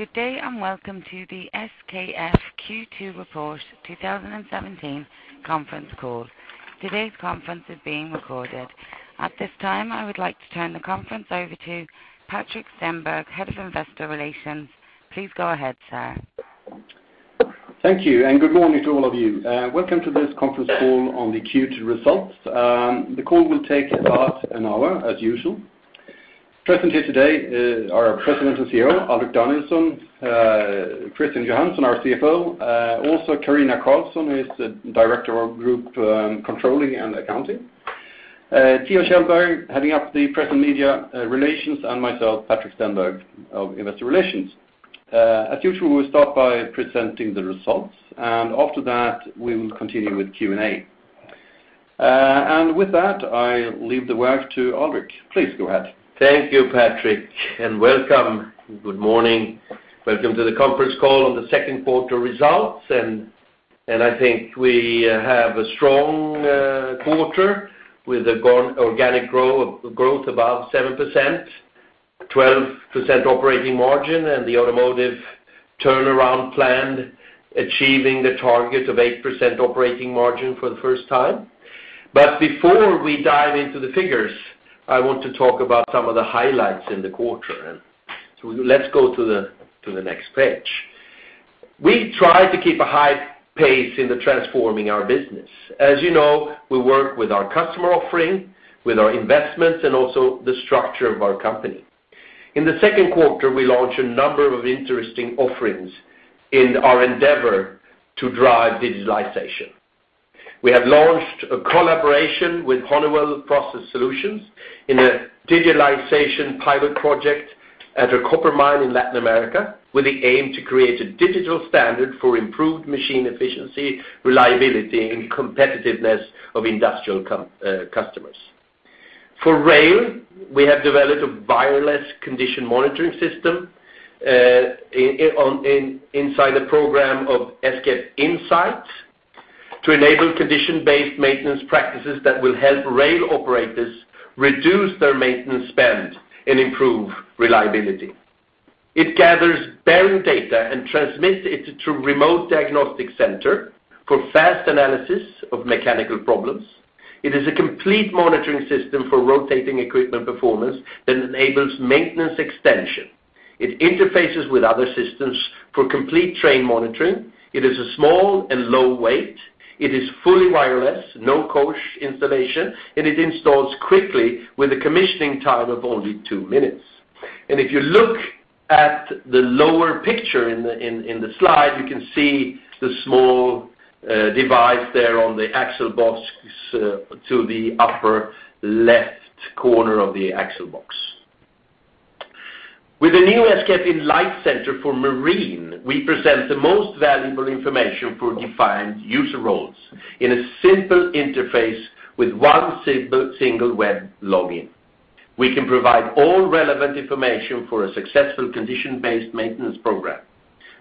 Good day, and welcome to the SKF Q2 Report 2017 conference call. Today's conference is being recorded. At this time, I would like to turn the conference over to Patrik Stenberg, Head of Investor Relations. Please go ahead, sir. Thank you, and good morning to all of you. Welcome to this conference call on the Q2 results. The call will take about an hour, as usual. Present here today are our President and CEO, Alrik Danielson, Christian Johansson, our CFO, also Karina Karlsson, who is the Director of Group Controlling and Accounting. Theo Kjellberg, heading up the Press and Media Relations, and myself, Patrik Stenberg of Investor Relations. As usual, we'll start by presenting the results, and after that, we will continue with Q&A. And with that, I leave the work to Alrik. Please go ahead. Thank you, Patrik, and welcome. Good morning. Welcome to the conference call on the second quarter results, and I think we have a strong quarter with organic growth above 7%, 12% operating margin, and the automotive turnaround plan achieving the target of 8% operating margin for the first time. But before we dive into the figures, I want to talk about some of the highlights in the quarter. So let's go to the next page. We try to keep a high pace in the transforming our business. As you know, we work with our customer offering, with our investments, and also the structure of our company. In the second quarter, we launched a number of interesting offerings in our endeavor to drive digitalization. We have launched a collaboration with Honeywell Process Solutions in a digitalization pilot project at a copper mine in Latin America, with the aim to create a digital standard for improved machine efficiency, reliability, and competitiveness of industrial customers. For rail, we have developed a wireless condition monitoring system inside the program of SKF Insight to enable condition-based maintenance practices that will help rail operators reduce their maintenance spend and improve reliability. It gathers bearing data and transmits it to remote diagnostic center for fast analysis of mechanical problems. It is a complete monitoring system for rotating equipment performance that enables maintenance extension. It interfaces with other systems for complete train monitoring. It is a small and low weight. It is fully wireless, no coach installation, and it installs quickly with a commissioning time of only two minutes. If you look at the lower picture in the slide, you can see the small device there on the axle box to the upper left corner of the axle box. With the new SKF Insight Center for Marine, we present the most valuable information for defined user roles in a simple interface with one simple, single web login. We can provide all relevant information for a successful condition-based maintenance program.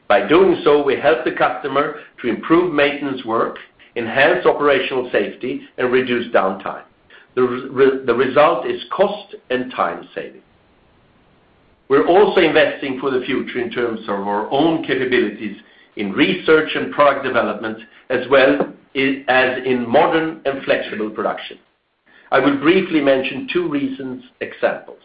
By doing so, we help the customer to improve maintenance work, enhance operational safety, and reduce downtime. The result is cost and time saving. We're also investing for the future in terms of our own capabilities in research and product development, as well as in modern and flexible production. I will briefly mention two reasons, examples.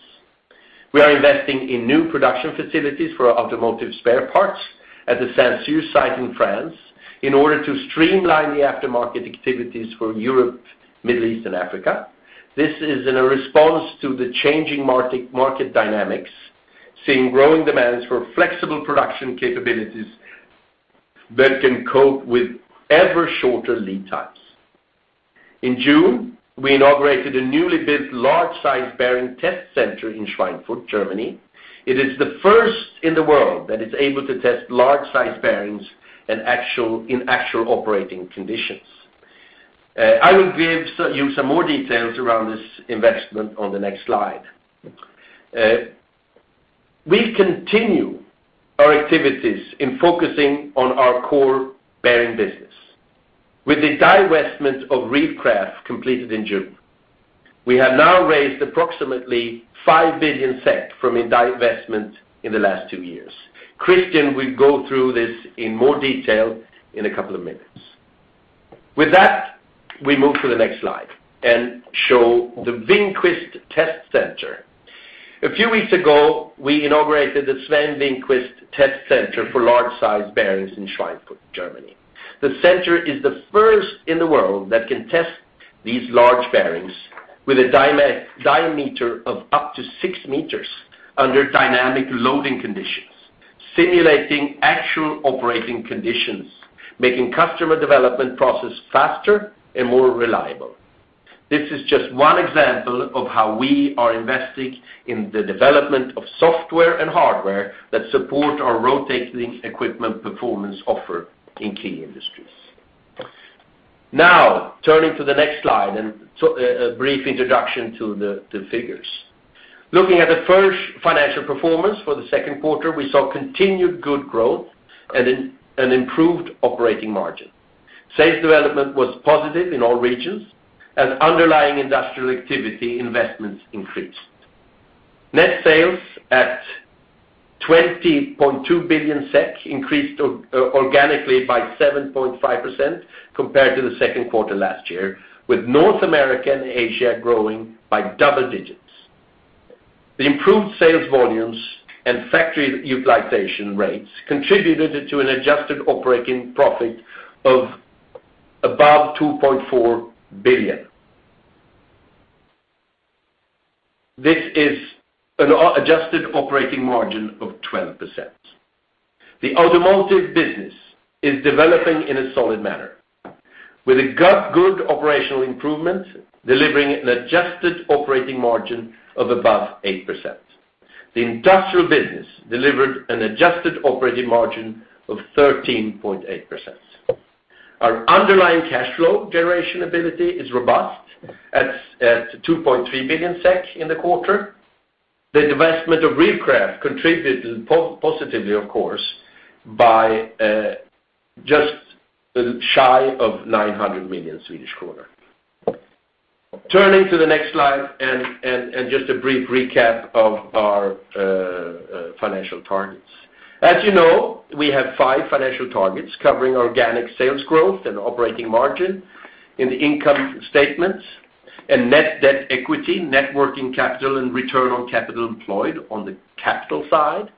We are investing in new production facilities for our automotive spare parts at the Saint-Sulpice site in France, in order to streamline the aftermarket activities for Europe, Middle East, and Africa. This is in a response to the changing market, market dynamics, seeing growing demands for flexible production capabilities that can cope with ever shorter lead times. In June, we inaugurated a newly built large-size bearing test center in Schweinfurt, Germany. It is the first in the world that is able to test large-size bearings in actual operating conditions. I will give you some more details around this investment on the next slide. We continue our activities in focusing on our core bearing business. With the divestment of Reelcraft completed in June, we have now raised approximately 5 billion SEK from a divestment in the last two years. Christian will go through this in more detail in a couple of minutes. With that, we move to the next slide and show the Sven Wingquist Test Center. A few weeks ago, we inaugurated the Sven Wingquist Test Center for large-size bearings in Schweinfurt, Germany. The center is the first in the world that can test these large bearings with a diameter of up to six meters under dynamic loading conditions, simulating actual operating conditions, making customer development process faster and more reliable. This is just one example of how we are investing in the development of software and hardware that support our rotating equipment performance offer in key industries. Now, turning to the next slide and a brief introduction to the figures. Looking at the first financial performance for the second quarter, we saw continued good growth and improved operating margin. Sales development was positive in all regions, and underlying industrial activity investments increased. Net sales at 20.2 billion SEK increased organically by 7.5% compared to the second quarter last year, with North America and Asia growing by double digits. The improved sales volumes and factory utilization rates contributed to an adjusted operating profit of above SEK 2.4 billion. This is an adjusted operating margin of 12%. The automotive business is developing in a solid manner, with a good, good operational improvement, delivering an adjusted operating margin of above 8%. The industrial business delivered an adjusted operating margin of 13.8%. Our underlying cash flow generation ability is robust at 2.3 billion SEK in the quarter. The divestment of Reelcraft contributed positively, of course, by just shy of 900 million Swedish kronor. Turning to the next slide, just a brief recap of our financial targets. As you know, we have five financial targets covering organic sales growth and operating margin in the income statements, and net debt equity, net working capital, and return on capital employed on the capital side.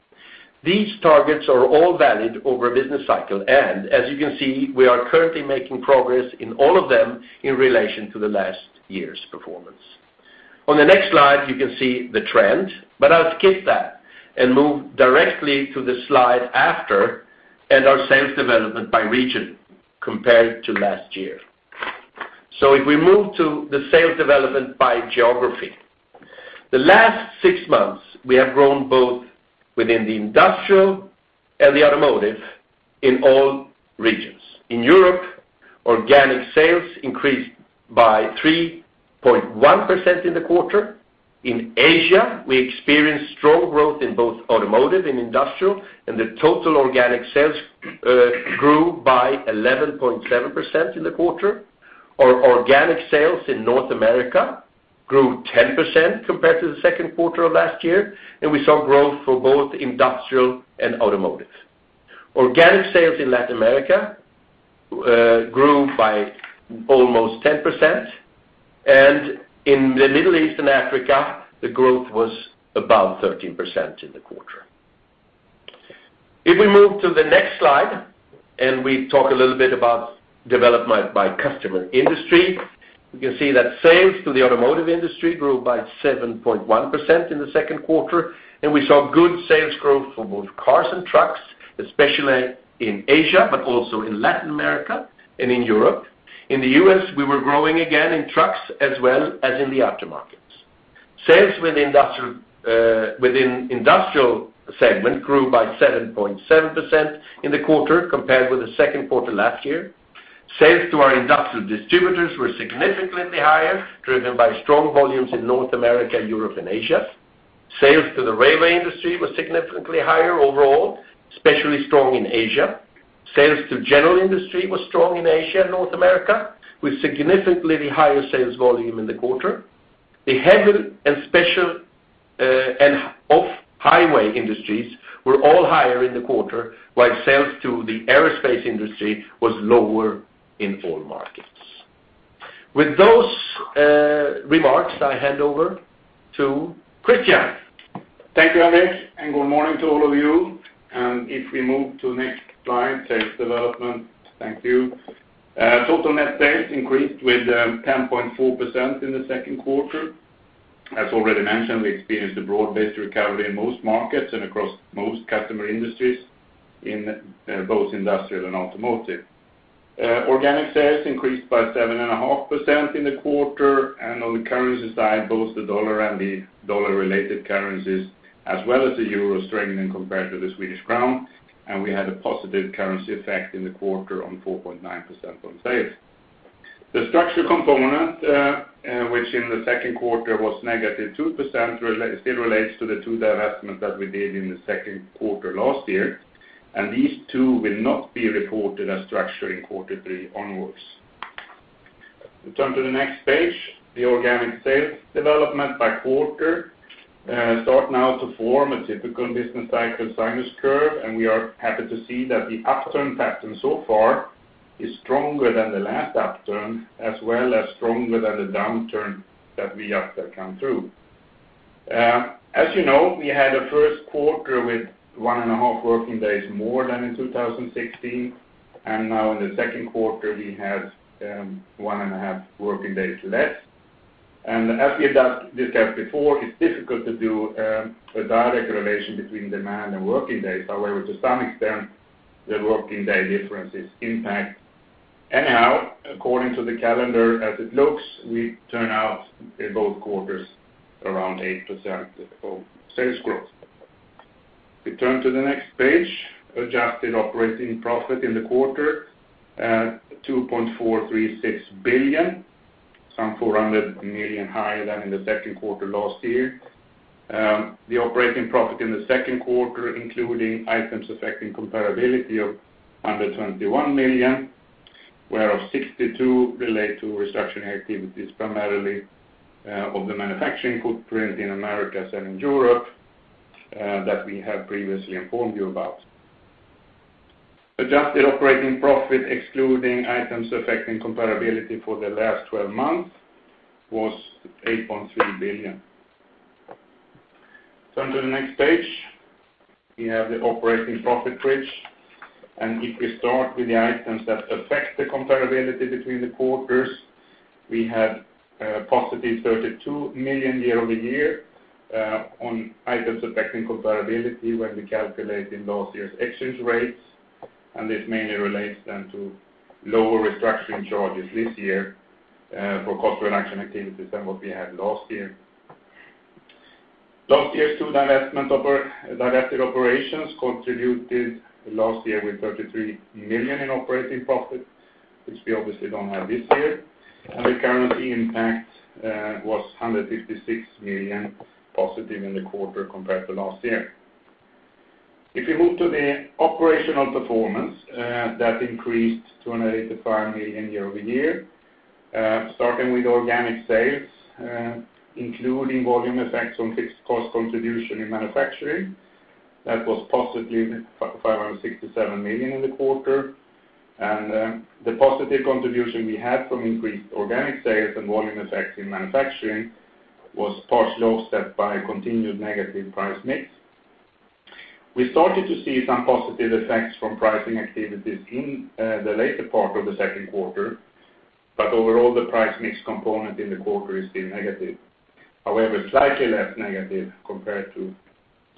These targets are all valid over a business cycle, and as you can see, we are currently making progress in all of them in relation to the last year's performance. On the next slide, you can see the trend, but I'll skip that and move directly to the slide after, and our sales development by region compared to last year. So if we move to the sales development by geography. The last six months, we have grown both within the industrial and the automotive in all regions. In Europe, organic sales increased by 3.1% in the quarter. In Asia, we experienced strong growth in both automotive and industrial, and the total organic sales grew by 11.7% in the quarter. Our organic sales in North America grew 10% compared to the second quarter of last year, and we saw growth for both industrial and automotive. Organic sales in Latin America grew by almost 10%, and in the Middle East and Africa, the growth was above 13% in the quarter. If we move to the next slide, and we talk a little bit about development by customer industry, you can see that sales to the automotive industry grew by 7.1% in the second quarter, and we saw good sales growth for both cars and trucks, especially in Asia, but also in Latin America and in Europe. In the U.S. we were growing again in trucks as well as in the aftermarkets. Sales with industrial, within industrial segment grew by 7.7% in the quarter compared with the second quarter last year. Sales to our industrial distributors were significantly higher, driven by strong volumes in North America, Europe, and Asia. Sales to the railway industry was significantly higher overall, especially strong in Asia. Sales to general industry was strong in Asia and North America, with significantly higher sales volume in the quarter. The heavy and special and off-highway industries were all higher in the quarter, while sales to the aerospace industry was lower in all markets. With those remarks, I hand over to Christian. Thank you, Alrik, and good morning to all of you. If we move to the next slide, sales development. Thank you. Total net sales increased with 10.4% in the second quarter. As already mentioned, we experienced a broad-based recovery in most markets and across most customer industries in both industrial and automotive. Organic sales increased by 7.5% in the quarter, and on the currency side, both the dollar and the dollar-related currencies, as well as the euro strengthened compared to the Swedish krona, and we had a positive currency effect in the quarter on 4.9% on sales. The structure component, which in the second quarter was negative 2%, still relates to the two divestments that we did in the second quarter last year, and these two will not be reported as structure in quarterly onwards. We turn to the next page, the organic sales development by quarter, start now to form a typical business cycle sinus curve, and we are happy to see that the upturn pattern so far is stronger than the last upturn, as well as stronger than the downturn that we have come through. As you know, we had a first quarter with 1.5 working days more than in 2016, and now in the second quarter, we had 1.5 working days less. As we discussed before, it's difficult to do a direct correlation between demand and working days. However, to some extent, the working day differences impact. Anyhow, according to the calendar, as it looks, we turn out in both quarters around 8% of sales growth. We turn to the next page, adjusted operating profit in the quarter, 2.436 billion, some 400 million higher than in the second quarter last year. The operating profit in the second quarter, including items affecting comparability of 121 million SEK, whereof 62 relate to restructuring activities, primarily of the manufacturing footprint in Americas and in Europe, that we have previously informed you about. Adjusted operating profit, excluding items affecting comparability for the last twelve months, was 8.3 billion SEK. So on to the next page, we have the operating profit bridge, and if we start with the items that affect the comparability between the quarters, we had positive 32 million year-over-year on items affecting comparability when we calculate in last year's exchange rates, and this mainly relates then to lower restructuring charges this year for cost reduction activities than what we had last year. Last year, two divested operations contributed last year with 33 million in operating profit, which we obviously don't have this year, and the currency impact was 156 million positive in the quarter compared to last year. If you move to the operational performance, that increased to an 85 million year-over-year, starting with organic sales, including volume effects on fixed cost contribution in manufacturing, that was positively 567 million in the quarter. The positive contribution we had from increased organic sales and volume effect in manufacturing was partially offset by continued negative price mix. We started to see some positive effects from pricing activities in the later part of the second quarter, but overall, the price mix component in the quarter is still negative. However, slightly less negative compared to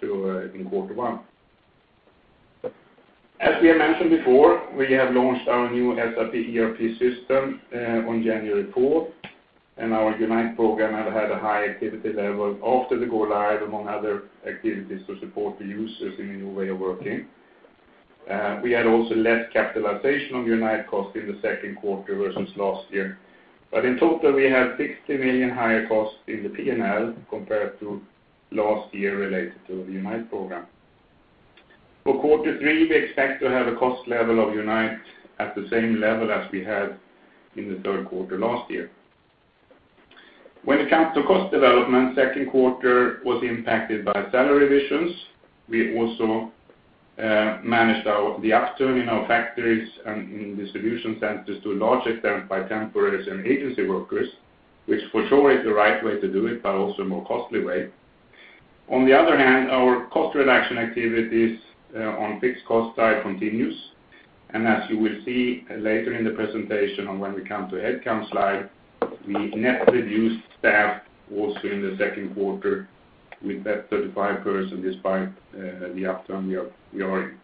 in quarter one. As we have mentioned before, we have launched our new SAP ERP system on January fourth, and our Unite program have had a high activity level after the go live, among other activities, to support the users in a new way of working. We had also less capitalization on Unite cost in the second quarter versus last year. But in total, we have 60 million higher costs in the P&L compared to last year related to the Unite program. For quarter three, we expect to have a cost level of Unite at the same level as we had in the third quarter last year. When it comes to cost development, second quarter was impacted by salary revisions. We also managed our, the upturn in our factories and in distribution centers to a large extent by temporaries and agency workers, which for sure is the right way to do it, but also a more costly way. On the other hand, our cost reduction activities on fixed cost side continues, and as you will see later in the presentation on when we come to headcount slide, we net reduced staff also in the second quarter with that 35-person, despite the upturn we are, we are in.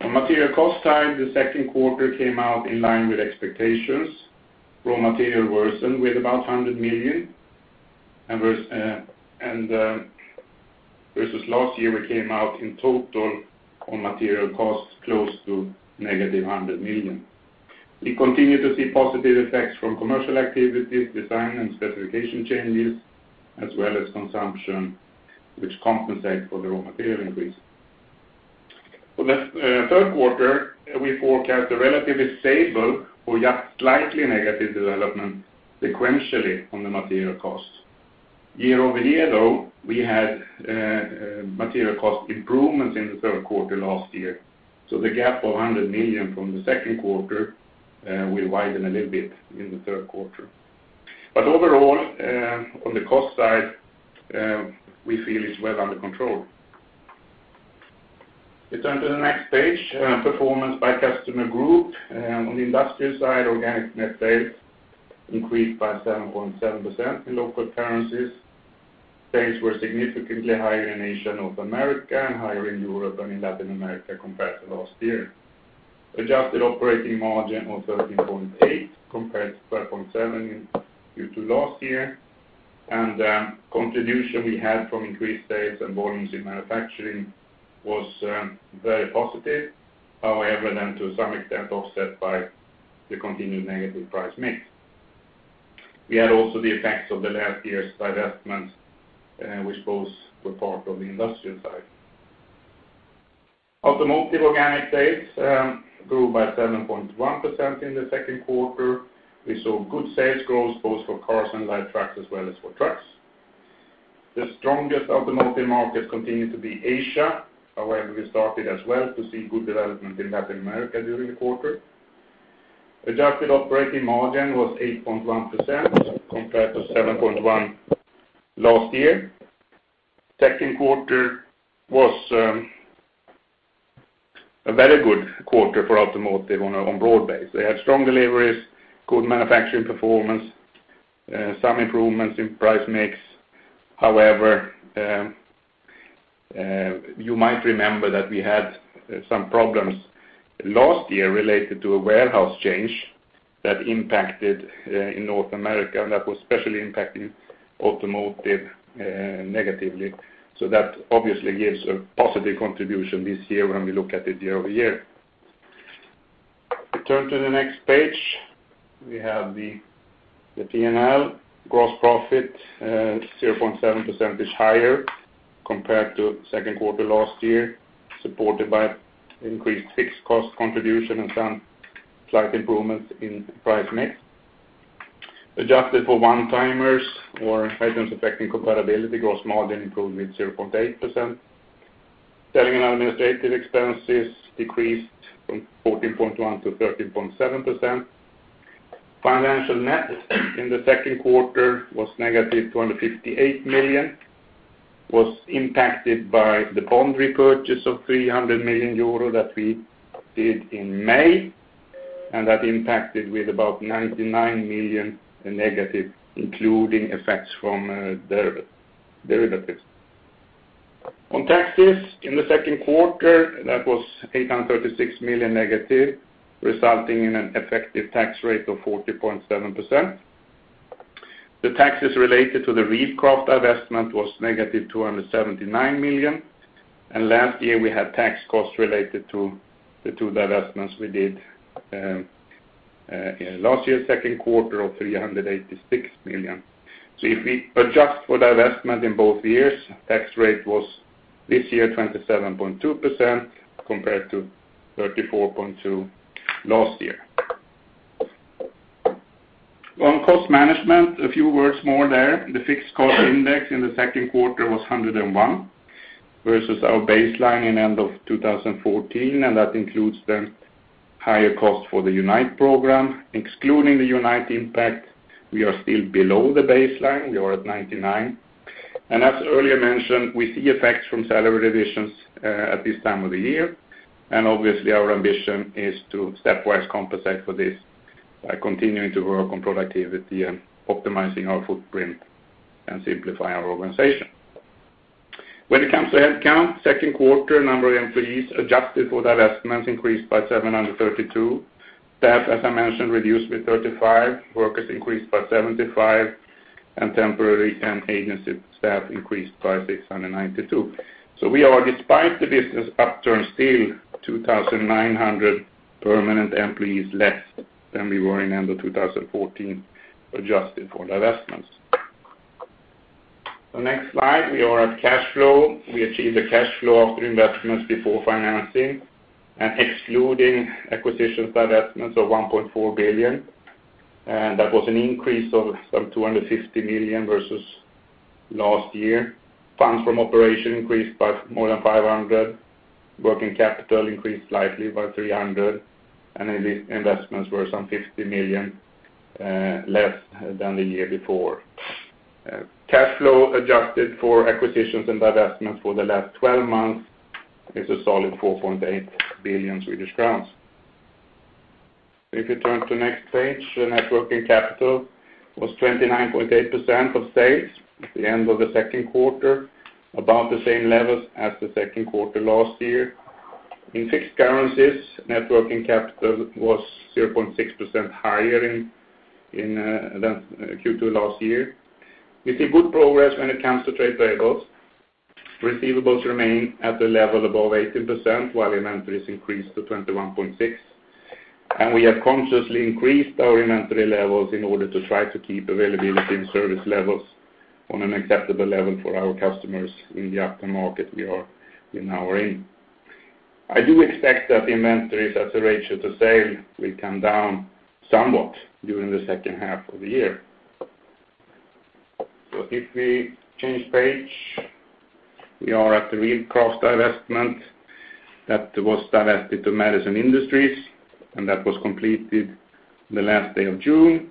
On material cost side, the second quarter came out in line with expectations. Raw material worsened with about 100 million, and versus last year, we came out in total on material costs close to negative 100 million. We continue to see positive effects from commercial activities, design and specification changes, as well as consumption, which compensate for the raw material increase. For the third quarter, we forecast a relatively stable or just slightly negative development sequentially on the material cost. Year-over-year, though, we had material cost improvements in the third quarter last year, so the gap of 100 million from the second quarter will widen a little bit in the third quarter. But overall, on the cost side, we feel it's well under control. We turn to the next page, performance by customer group. On the industrial side, organic net sales increased by 7.7% in local currencies. Sales were significantly higher in Asia, North America, and higher in Europe and in Latin America compared to last year. Adjusted operating margin of 13.8 compared to 12.7 due to last year, and, contribution we had from increased sales and volumes in manufacturing was very positive. However, then to some extent, offset by the continued negative price mix. We had also the effects of the last year's divestments, which both were part of the industrial side. Automotive organic sales grew by 7.1% in the second quarter. We saw good sales growth, both for cars and light trucks, as well as for trucks. The strongest automotive market continued to be Asia. However, we started as well to see good development in Latin America during the quarter. Adjusted operating margin was 8.1% compared to 7.1% last year. Second quarter was a very good quarter for automotive on a broad base. They had strong deliveries, good manufacturing performance, some improvements in price mix. However, you might remember that we had some problems last year related to a warehouse change that impacted in North America, and that was especially impacting automotive negatively. So that obviously gives a positive contribution this year when we look at it year-over-year. If we turn to the next page, we have the P&L gross profit zero point seven percentage higher compared to second quarter last year, supported by increased fixed cost contribution and some slight improvements in price mix. Adjusted for one-timers or items affecting comparability, gross margin improved with 0.8%. Selling and administrative expenses decreased from 14.1% to 13.7%. Financial net in the second quarter was -258 million, was impacted by the bond repurchase of 300 million euro that we did in May, and that impacted with about -99 million, including effects from derivatives. On taxes in the second quarter, that was -836 million, resulting in an effective tax rate of 40.7%. The taxes related to the Reelcraft divestment was -279 million, and last year, we had tax costs related to the two divestments we did in last year, second quarter of 386 million. So if we adjust for divestment in both years, tax rate was this year 27.2% compared to 34.2% last year. On cost management, a few words more there. The fixed cost index in the second quarter was 101, versus our baseline at the end of 2014, and that includes the higher cost for the Unite program. Excluding the Unite impact, we are still below the baseline, we are at 99. And as earlier mentioned, we see effects from salary revisions at this time of the year, and obviously, our ambition is to stepwise compensate for this by continuing to work on productivity and optimizing our footprint and simplify our organization. When it comes to headcount, second quarter, number of employees adjusted for divestments increased by 732. Staff, as I mentioned, reduced by 35, workers increased by 75, and temporary and agency staff increased by 692. So we are, despite the business upturn, still 2,900 permanent employees less than we were in end of 2014, adjusted for divestments. The next slide, we are at cash flow. We achieved a cash flow after investments before financing and excluding acquisitions, divestments of 1.4 billion, and that was an increase of some 250 million versus last year. Funds from operation increased by more than 500 million, working capital increased slightly by 300 million, and in these investments were some 50 million less than the year before. Cash flow, adjusted for acquisitions and divestments for the last twelve months, is a solid 4.8 billion Swedish crowns. If you turn to next page, the net working capital was 29.8% of sales at the end of the second quarter, about the same levels as the second quarter last year. In fixed currencies, net working capital was 0.6% higher than Q2 last year. We see good progress when it comes to trade variables. Receivables remain at the level above 18%, while inventories increased to 21.6%. And we have consciously increased our inventory levels in order to try to keep availability and service levels on an acceptable level for our customers in the aftermarket we now are in. I do expect that the inventories as a ratio to sale, will come down somewhat during the H2 of the year. So if we change page, we are at the Reelcraft divestment that was divested to Madison Industries, and that was completed the last day of June.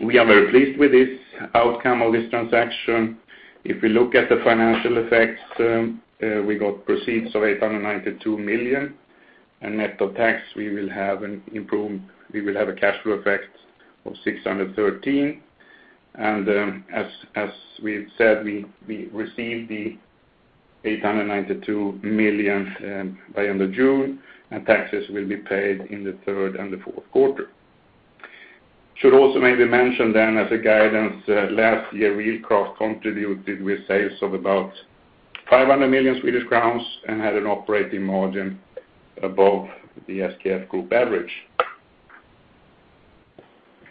We are very pleased with this outcome of this transaction. If we look at the financial effects, we got proceeds of $892 million, and net of tax, we will have a cash flow effect of $613 million. As we've said, we received the $892 million by end of June, and taxes will be paid in the third and the fourth quarter. Should also maybe mention then as a guidance, last year, Reelcraft contributed with sales of about 500 million Swedish crowns and had an operating margin above the SKF Group average.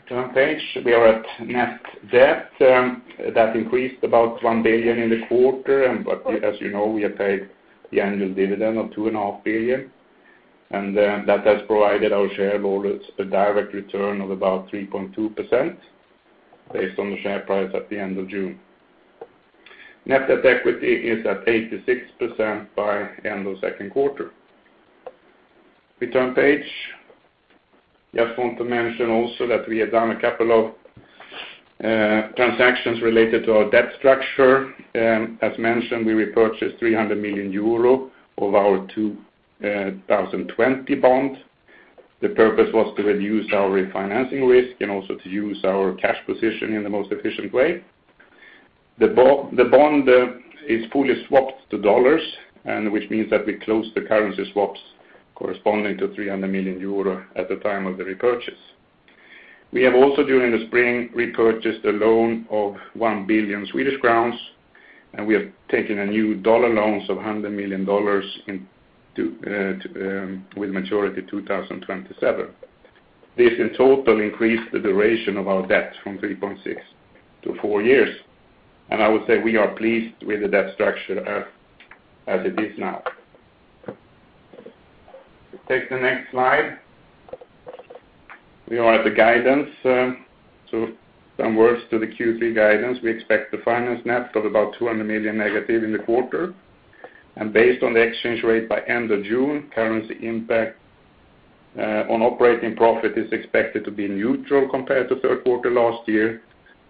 Turn page, we are at net debt, that increased about 1 billion in the quarter, but as you know, we have paid the annual dividend of 2.5 billion, and, that has provided our shareholders a direct return of about 3.2%, based on the share price at the end of June. Net debt equity is at 86% by end of second quarter. We turn page. Just want to mention also that we have done a couple of, transactions related to our debt structure. As mentioned, we repurchased 300 million euro of our 2020 bond. The purpose was to reduce our refinancing risk and also to use our cash position in the most efficient way. The bond, the bond, is fully swapped to dollars, and which means that we closed the currency swaps corresponding to 300 million euro at the time of the repurchase. We have also, during the spring, repurchased a loan of 1 billion Swedish crowns, and we have taken a new dollar loans of $100 million into to with maturity 2027. This in total increased the duration of our debt from 3.6 to 4 years, and I would say we are pleased with the debt structure as it is now. Take the next slide. We are at the guidance, so some words to the Q3 guidance. We expect the finance net of about -200 million in the quarter, and based on the exchange rate by end of June, currency impact on operating profit is expected to be neutral compared to third quarter last year.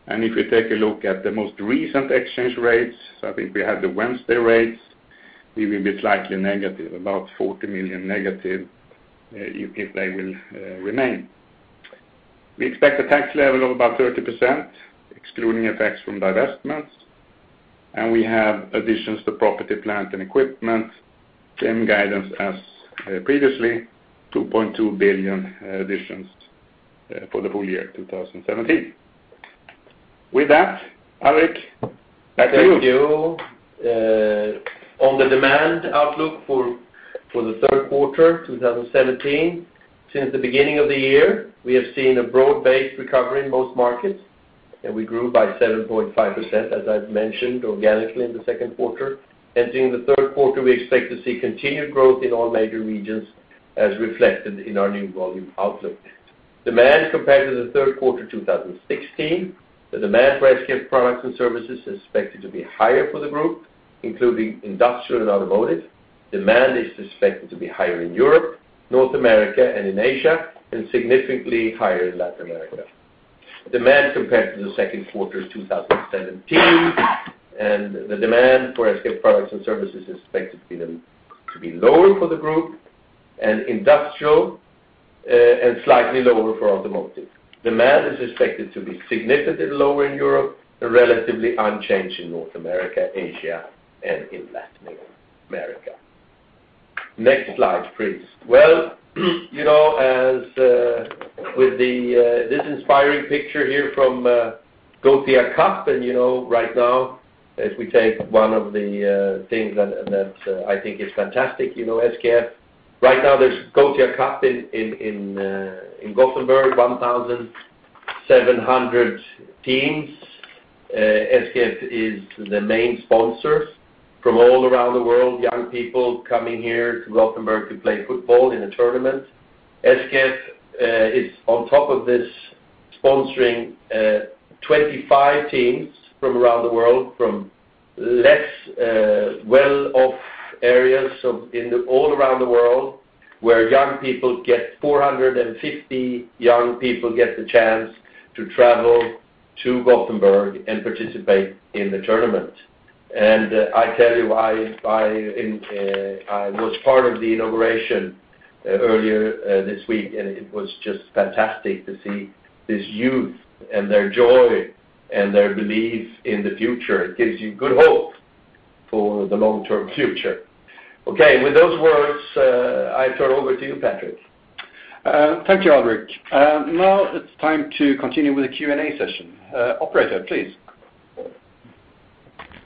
And if we take a look at the most recent exchange rates, I think we have the Wednesday rates, we will be slightly negative, about -40 million, if they remain. We expect a tax level of about 30%, excluding effects from divestments, and we have additions to property, plant, and equipment, same guidance as previously, 2.2 billion additions for the full year, 2017. With that, Alrik, back to you. Thank you. On the demand outlook for the third quarter 2017, since the beginning of the year, we have seen a broad-based recovery in most markets, and we grew by 7.5%, as I've mentioned, organically in the second quarter. Entering the third quarter, we expect to see continued growth in all major regions, as reflected in our new volume outlook. Demand compared to the third quarter 2016, the demand for SKF products and services is expected to be higher for the group, including industrial and automotive. Demand is expected to be higher in Europe, North America, and in Asia, and significantly higher in Latin America. Demand compared to the second quarter 2017, and the demand for SKF products and services is expected to be lower for the group, and industrial, and slightly lower for automotive. Demand is expected to be significantly lower in Europe, and relatively unchanged in North America, Asia, and in Latin America. Next slide, please. Well, you know, as, with the, this inspiring picture here from, Gothia Cup, and, you know, right now, as we take one of the, things that, and that, I think is fantastic, you know, SKF. Right now, there's Gothia Cup in, in, in Gothenburg, 1,700 teams. SKF is the main sponsor. From all around the world, young people coming here to Gothenburg to play football in a tournament. SKF is on top of this, sponsoring 25 teams from around the world, from less well-off areas of all around the world, where 450 young people get the chance to travel to Gothenburg and participate in the tournament. And I tell you, I was part of the inauguration earlier this week, and it was just fantastic to see this youth and their joy and their belief in the future. It gives you good hope for the long-term future. Okay, with those words, I turn over to you, Patrik. Thank you, Alrik. Now it's time to continue with the Q&A session. Operator, please.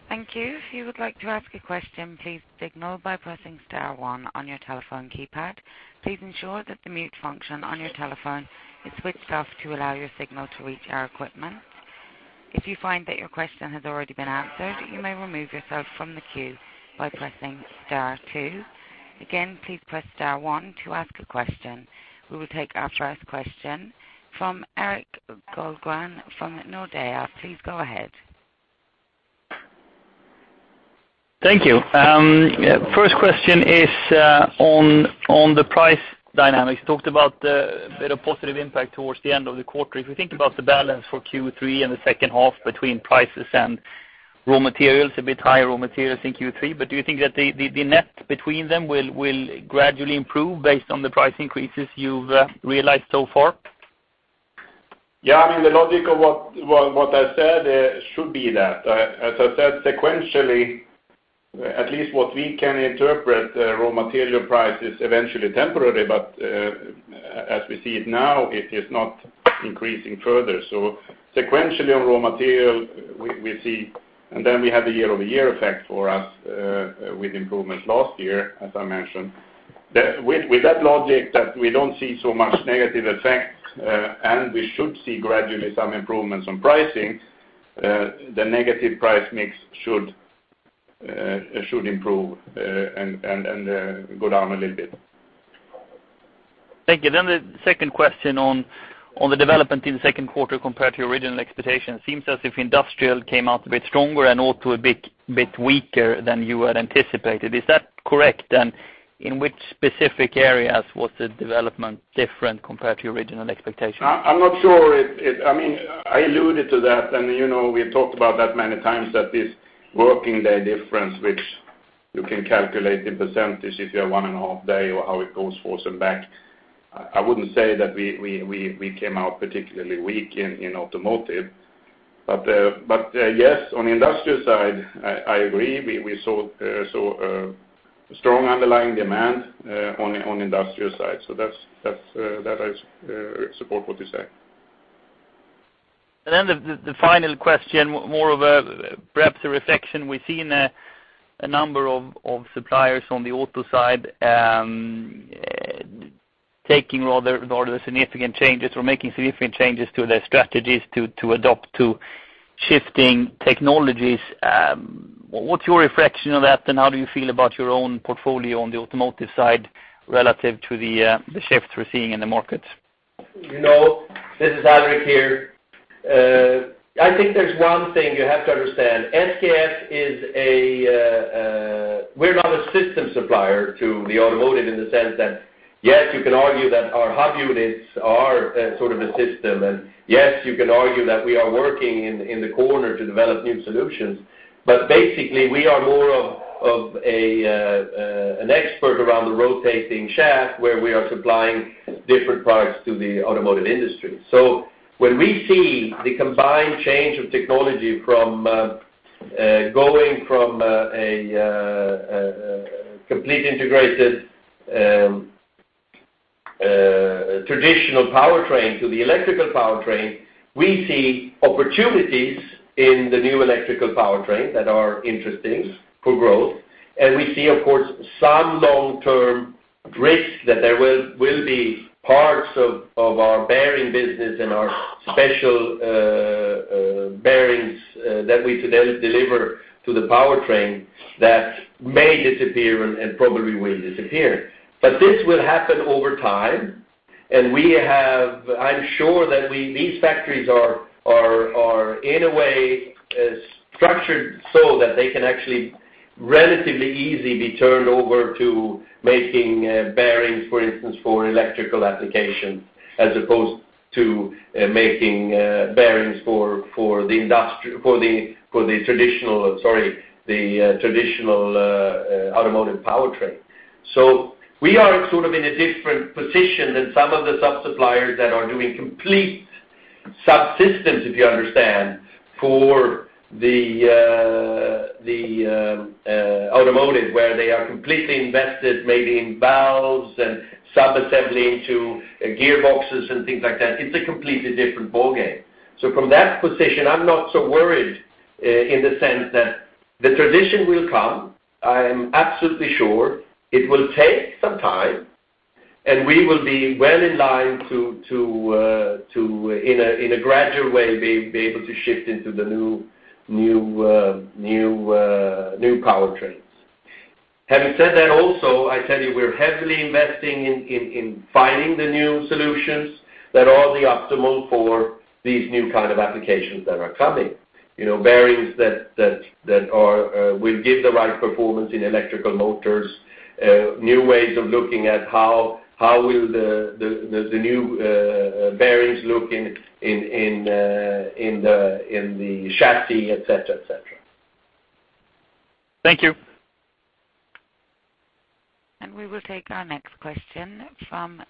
Thank you. If you would like to ask a question, please signal by pressing star one on your telephone keypad. Please ensure that the mute function on your telephone is switched off to allow your signal to reach our equipment. If you find that your question has already been answered, you may remove yourself from the queue by pressing star two. Again, please press star one to ask a question. We will take our first question from Erik Golrang from Nordea. Please go ahead. Thank you. Yeah, first question is on the price dynamics. Talked about the bit of positive impact towards the end of the quarter. If you think about the balance for Q3 and the H2 between prices and raw materials, a bit higher raw materials in Q3, but do you think that the net between them will gradually improve based on the price increases you've realized so far? Yeah, I mean, the logic of what I said should be that. As I said, sequentially, at least what we can interpret, raw material price is eventually temporarily, but as we see it now, it is not increasing further. So sequentially on raw material, we see. And then we have the year-over-year effect for us with improvements last year, as I mentioned. With that logic, that we don't see so much negative effect, and we should see gradually some improvements on pricing, the negative price mix should improve and go down a little bit. Thank you. Then the second question on the development in the second quarter compared to your original expectation. It seems as if industrial came out a bit stronger and auto a bit weaker than you had anticipated. Is that correct? And in which specific areas was the development different compared to your original expectation? I'm not sure it, I mean, I alluded to that, and, you know, we talked about that many times, that this working day difference, which you can calculate in percentage if you have 1.5 day or how it goes forth and back. I wouldn't say that we came out particularly weak in automotive. Yes, on the industrial side, I agree, we saw strong underlying demand on the industrial side. So that's, that's, I support what you say. And then the final question, more of a perhaps a reflection. We've seen a number of suppliers on the auto side taking rather significant changes or making significant changes to their strategies to adapt to shifting technologies. What's your reflection on that, and how do you feel about your own portfolio on the automotive side relative to the shift we're seeing in the markets? You know, this is Alrik here. I think there's one thing you have to understand. SKF is a, we're not a system supplier to the automotive in the sense that, yes, you can argue that our hub units are sort of a system, and yes, you can argue that we are working in, in the corner to develop new solutions. But basically, we are more of, of a, an expert around the rotating shaft, where we are supplying different products to the automotive industry. So when we see the combined change of technology from, going from a, a, complete integrated, traditional powertrain to the electrical powertrain, we see opportunities in the new electrical powertrain that are interesting for growth. And we see, of course, some long-term risks that there will be parts of our bearing business and our special bearings that we today deliver to the powertrain that may disappear and probably will disappear. But this will happen over time, and we have. I'm sure that we, these factories are in a way structured so that they can actually relatively easily be turned over to making bearings, for instance, for electrical applications, as opposed to making bearings for the traditional, sorry, the traditional automotive powertrain. So we are sort of in a different position than some of the sub-suppliers that are doing complete subsystems, if you understand, for the automotive, where they are completely invested, maybe in valves and subassembly into gearboxes and things like that. It's a completely different ballgame. So from that position, I'm not so worried, in the sense that the transition will come. I am absolutely sure it will take some time, and we will be well in line to, in a gradual way, be able to shift into the new powertrains. Having said that, also, I tell you, we're heavily investing in finding the new solutions that are the optimal for these new kind of applications that are coming. You know, bearings that are will give the right performance in electrical motors, new ways of looking at how will the new bearings look in the chassis, et cetera, et cetera. Thank you. We will take our next question from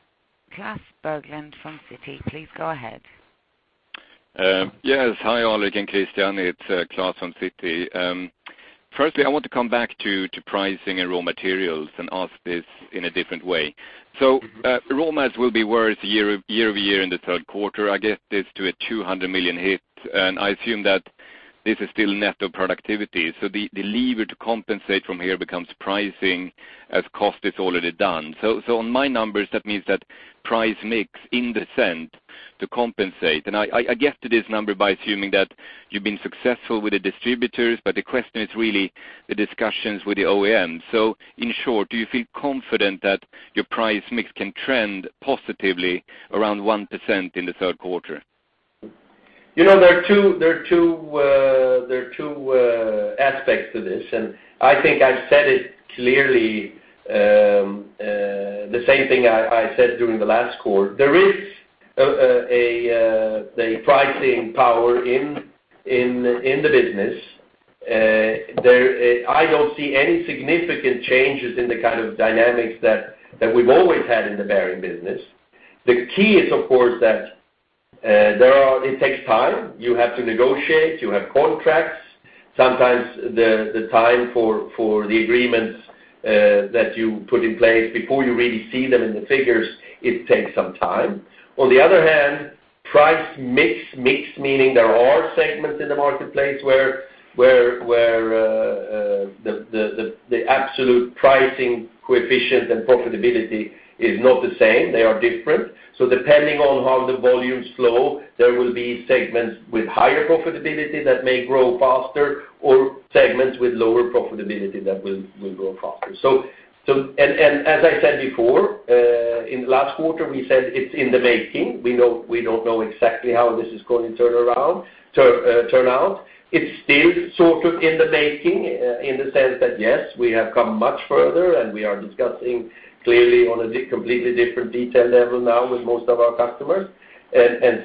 Klas Berglund, from Citi. Please go ahead. Yes. Hi, Alrik and Christian. It's Klas from Citi. Firstly, I want to come back to pricing and raw materials and ask this in a different way. So, raw materials will be worse year-over-year in the third quarter. I get this to a 200 million hit, and I assume that this is still net of productivity, so the lever to compensate from here becomes pricing as cost is already done. So on my numbers, that means that price mix in the end to compensate, and I get to this number by assuming that you've been successful with the distributors, but the question is really the discussions with the OEM. So in short, do you feel confident that your price mix can trend positively around 1% in the third quarter? You know, there are two aspects to this, and I think I've said it clearly, the same thing I said during the last quarter. There is a pricing power in the business. There, I don't see any significant changes in the kind of dynamics that we've always had in the bearing business. The key is, of course, that there are it takes time. You have to negotiate, you have contracts. Sometimes the time for the agreements that you put in place before you really see them in the figures, it takes some time. On the other hand, price mix, meaning there are segments in the marketplace where the absolute pricing coefficient and profitability is not the same, they are different. So depending on how the volumes flow, there will be segments with higher profitability that may grow faster, or segments with lower profitability that will grow faster. So, and as I said before, in last quarter, we said it's in the making. We know we don't know exactly how this is going to turn around, turn out. It's still sort of in the making, in the sense that, yes, we have come much further, and we are discussing clearly on a completely different detail level now with most of our customers.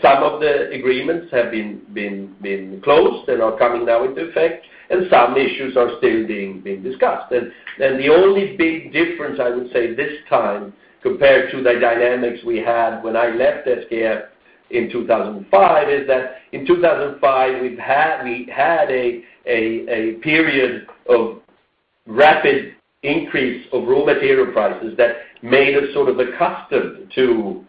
Some of the agreements have been closed and are coming now into effect, and some issues are still being discussed. The only big difference I would say this time, compared to the dynamics we had when I left SKF in 2005, is that in 2005, we had a period of rapid increase of raw material prices that made us sort of accustomed to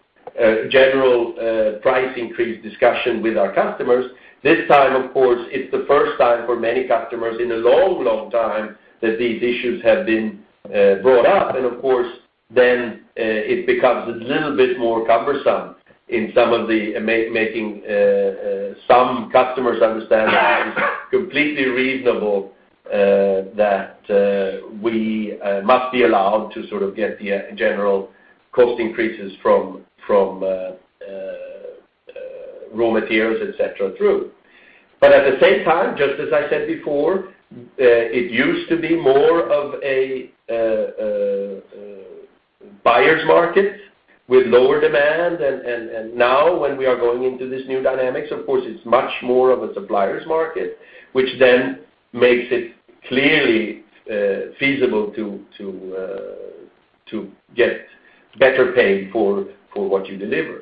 general price increase discussion with our customers. This time, of course, it's the first time for many customers in a long, long time that these issues have been brought up. And of course, then, it becomes a little bit more cumbersome in some of the making some customers understand it's completely reasonable that we must be allowed to sort of get the general cost increases from raw materials, et cetera, through. But at the same time, just as I said before, it used to be more of a buyer's market with lower demand, and now, when we are going into this new dynamics, of course, it's much more of a supplier's market, which then makes it clearly feasible to get better pay for what you deliver.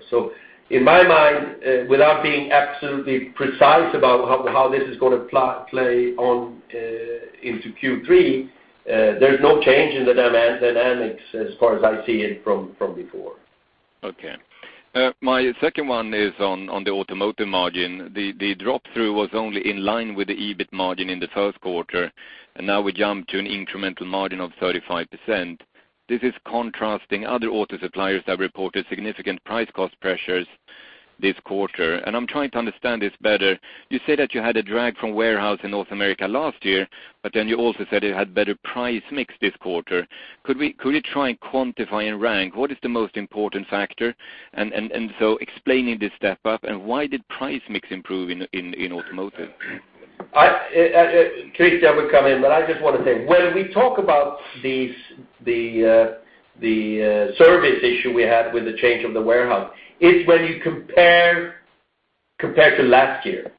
In my mind, without being absolutely precise about how this is gonna play on into Q3, there's no change in the demand dynamics as far as I see it from before. Okay. My second one is on the automotive margin. The drop-through was only in line with the EBIT margin in the first quarter, and now we jump to an incremental margin of 35%. This is contrasting other auto suppliers that reported significant price cost pressures this quarter, and I'm trying to understand this better. You said that you had a drag from warehouse in North America last year, but then you also said it had better price mix this quarter. Could you try and quantify and rank what is the most important factor? And so explaining this step up, and why did price mix improve in automotive? I, Christian will come in, but I just want to say, when we talk about these, the service issue we had with the change of the warehouse, it's when you compare to last year.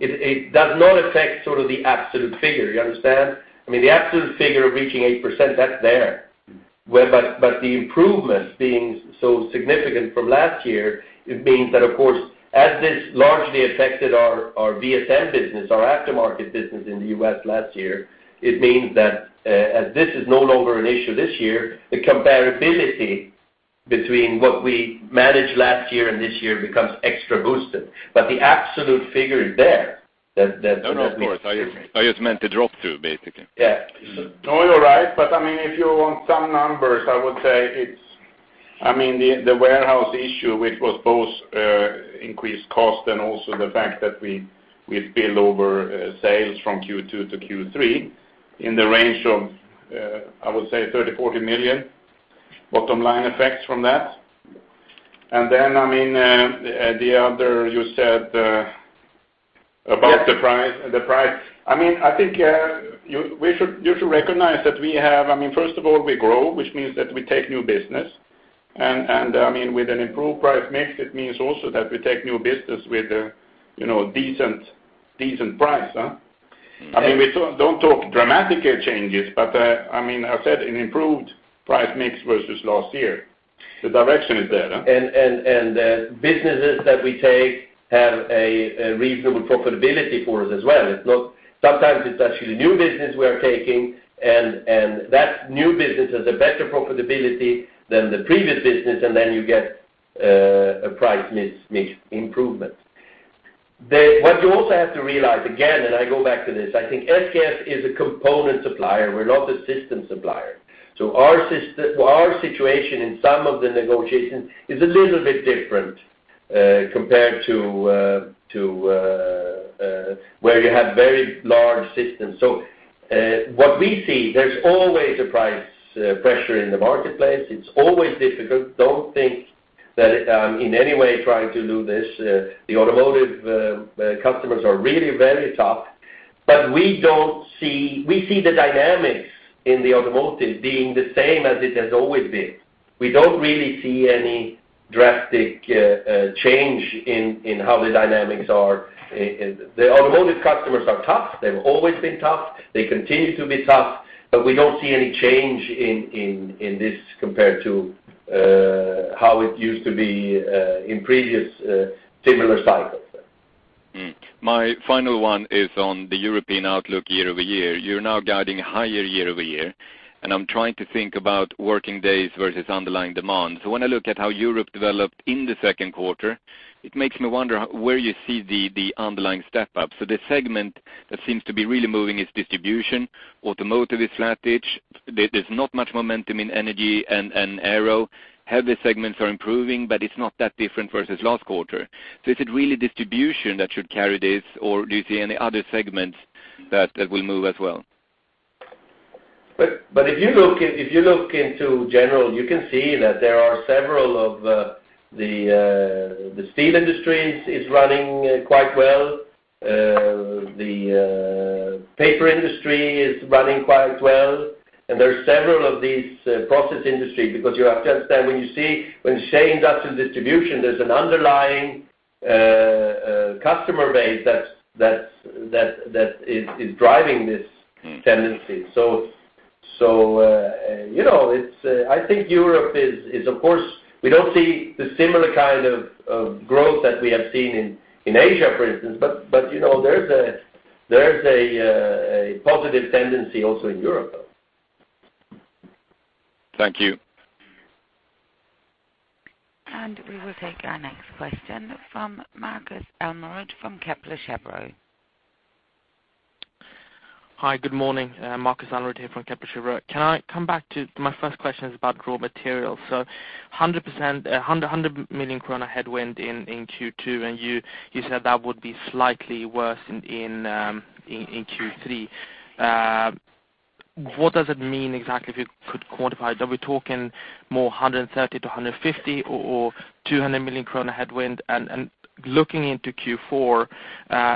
It does not affect sort of the absolute figure. You understand? I mean, the absolute figure of reaching 8%, that's there. But the improvement being so significant from last year, it means that, of course, as this largely affected our VSM business, our aftermarket business in the U.S. last year, it means that, as this is no longer an issue this year, the comparability between what we managed last year and this year becomes extra boosted. But the absolute figure is there, that, that No, of course. I just, I just meant the drop-through, basically. Yeah. No, you're right, but, I mean, if you want some numbers, I would say it's... I mean, the, the warehouse issue, which was both, increased cost and also the fact that we, we spill over, sales from Q2 to Q3 in the range of, I would say 30 million-40 million, bottom line effects from that. And then, I mean, the other you said, about the price Yeah. The price. I mean, I think, you, we should, you should recognize that we have, I mean, first of all, we grow, which means that we take new business, and, and, I mean, with an improved price mix, it means also that we take new business with a, you know, decent, decent price, huh? Yeah. I mean, we don't talk dramatic changes, but, I mean, I said an improved price mix versus last year. The direction is there, huh? Businesses that we take have a reasonable profitability for us as well. It's not, sometimes it's actually new business we are taking, and that new business has a better profitability than the previous business, and then you get a price mix improvement. What you also have to realize, again, and I go back to this, I think SKF is a component supplier. We're not a system supplier. So our situation in some of the negotiations is a little bit different compared to where you have very large systems. So what we see, there's always a price pressure in the marketplace. It's always difficult. Don't think that I'm in any way trying to do this. The automotive customers are really very tough, but we don't see. We see the dynamics in the automotive being the same as it has always been. We don't really see any drastic change in how the dynamics are. The automotive customers are tough. They've always been tough. They continue to be tough, but we don't see any change in this compared to how it used to be in previous similar cycles. My final one is on the European outlook year-over-year. You're now guiding higher year-over-year, and I'm trying to think about working days versus underlying demand. So when I look at how Europe developed in the second quarter, it makes me wonder where you see the underlying step up. So the segment that seems to be really moving is distribution. Automotive is flattish. There's not much momentum in energy and aero. Heavy segments are improving, but it's not that different versus last quarter. So is it really distribution that should carry this, or do you see any other segments that will move as well? But if you look into general, you can see that there are several of the steel industry is running quite well. The paper industry is running quite well, and there are several of these process industry, because you have to understand, when you say industrial distribution, there's an underlying customer base that's driving this tendency. So, you know, it's, I think Europe is of course, we don't see the similar kind of growth that we have seen in Asia, for instance, but, you know, there's a positive tendency also in Europe, though. Thank you. We will take our next question from Markus Almerud, from Kepler Cheuvreux. Hi, good morning. Markus Almerud here from Kepler Cheuvreux. Can I come back to my first question is about raw materials. So 100%, 100 million krona headwind in Q2, and you said that would be slightly worse in Q3. What does it mean exactly, if you could quantify? Are we talking 130 million-150 million or 200 million kronor headwind? And looking into Q4,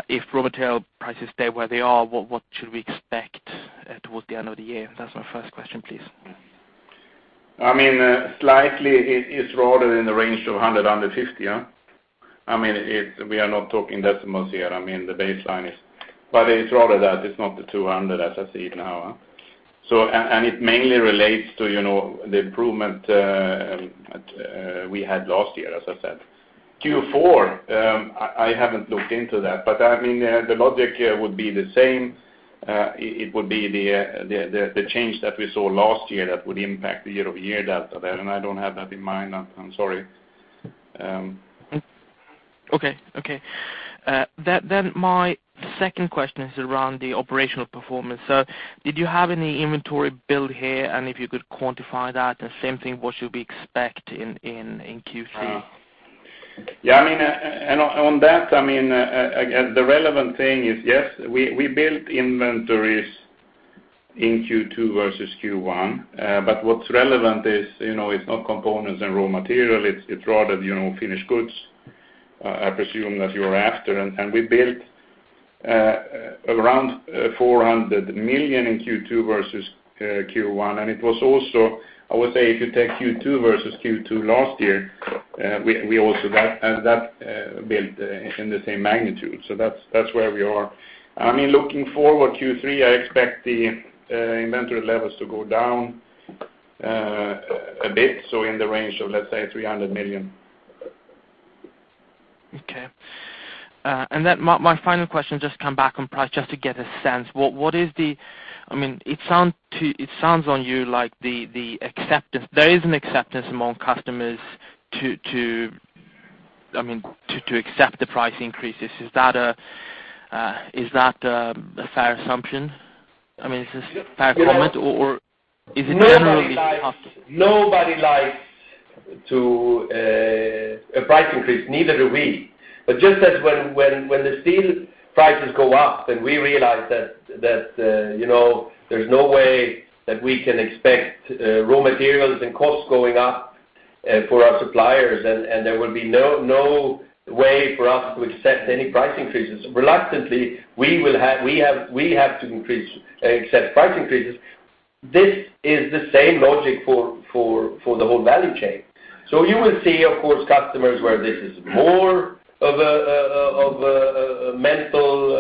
if raw material prices stay where they are, what should we expect towards the end of the year? That's my first question, please. I mean, slightly, it is rather in the range of 100-150, yeah. I mean, it's. We are not talking decimals here. I mean, the baseline is. But it's rather that, it's not the 200, as I see it now. So and, and it mainly relates to, you know, the improvement we had last year, as I said. Q4, I, I haven't looked into that, but, I mean, the logic would be the same. It, it would be the, the, the, the change that we saw last year that would impact the year-over-year data there, and I don't have that in mind. I'm, I'm sorry. Okay, okay. Then my second question is around the operational performance. So did you have any inventory build here, and if you could quantify that? The same thing, what should we expect in Q3? Yeah, I mean, and on, on that, I mean, the relevant thing is, yes, we, we built inventories in Q2 versus Q1. But what's relevant is, you know, it's not components and raw material, it's, it's rather, you know, finished goods, I presume that you're after. And, and we built, around 400 million in Q2 versus Q1, and it was also, I would say, if you take Q2 versus Q2 last year, we, we also that, and that, built in the same magnitude. So that's, that's where we are. I mean, looking forward, Q3, I expect the inventory levels to go down a bit, so in the range of, let's say, 300 million. Okay. And then my final question, just come back on price, just to get a sense. What is the... I mean, it sounds to you like the acceptance, there is an acceptance among customers to, I mean, to accept the price increases. Is that a fair assumption? I mean, is this a fair comment, or is it generally Nobody likes, nobody likes to a price increase, neither do we. But just as when the steel prices go up, then we realize that you know, there's no way that we can expect raw materials and costs going up for our suppliers, and there will be no way for us to accept any price increases. Reluctantly, we will have, we have, we have to increase, accept price increases. This is the same logic for the whole value chain. So you will see, of course, customers where this is more of a mental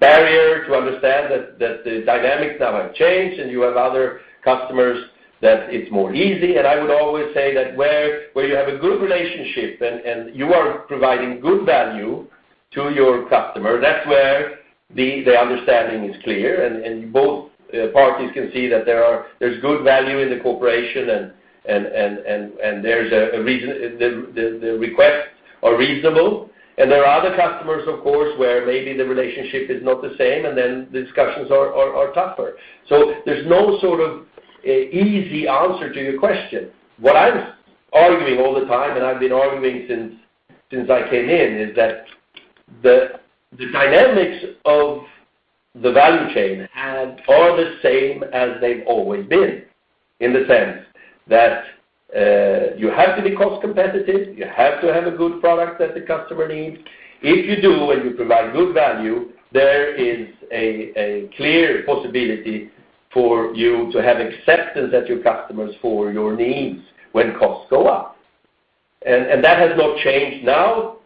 barrier to understand that the dynamics now have changed, and you have other customers that it's more easy. And I would always say that where you have a good relationship and you are providing good value to your customer, that's where the understanding is clear, and both parties can see that there's good value in the cooperation and there's a reason the requests are reasonable. And there are other customers, of course, where maybe the relationship is not the same, and then the discussions are tougher. So there's no sort of easy answer to your question. What I'm arguing all the time, and I've been arguing since I came in, is that the dynamics of the value chain are the same as they've always been. In the sense that you have to be cost competitive, you have to have a good product that the customer needs. If you do, and you provide good value, there is a clear possibility for you to have acceptance at your customers for your needs when costs go up. And that has not changed now,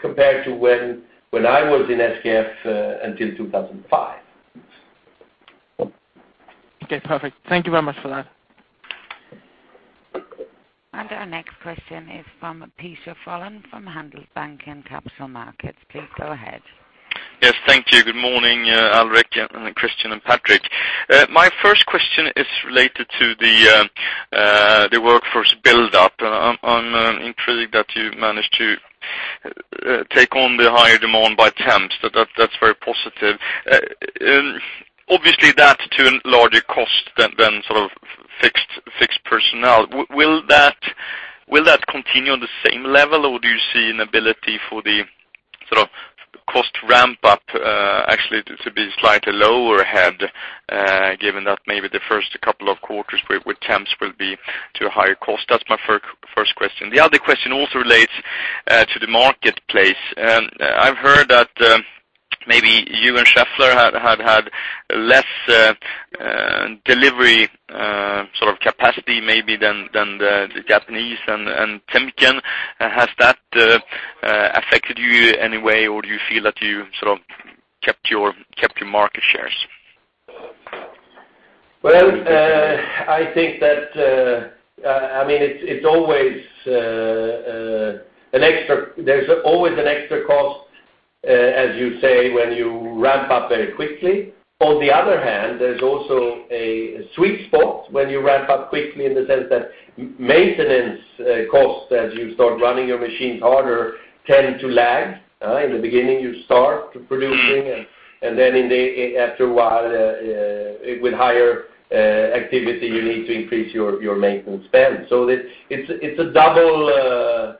compared to when I was in SKF until 2005. Okay, perfect. Thank you very much for that. Our next question is from Peter Wallin from Handelsbanken Capital Markets. Please go ahead. Yes, thank you. Good morning, Alrik, and Christian, and Patrik. My first question is related to the workforce buildup. I'm intrigued that you managed to take on the higher demand by temps. That's very positive. And obviously, that to a larger cost than sort of fixed personnel. Will that continue on the same level, or do you see an ability for the sort of cost ramp up actually to be slightly lower ahead, given that maybe the first couple of quarters with temps will be to a higher cost? That's my first question. The other question also relates to the marketplace. I've heard that maybe you and Schaeffler have had less delivery sort of capacity maybe than the Japanese and Timken. Has that affected you in any way, or do you feel that you sort of kept your, kept your market shares? Well, I think that, I mean, it's always an extra, there's always an extra cost, as you say, when you ramp up very quickly. On the other hand, there's also a sweet spot when you ramp up quickly, in the sense that maintenance costs, as you start running your machines harder, tend to lag. In the beginning, you start producing, and then after a while, with higher activity, you need to increase your maintenance spend. So it's a double,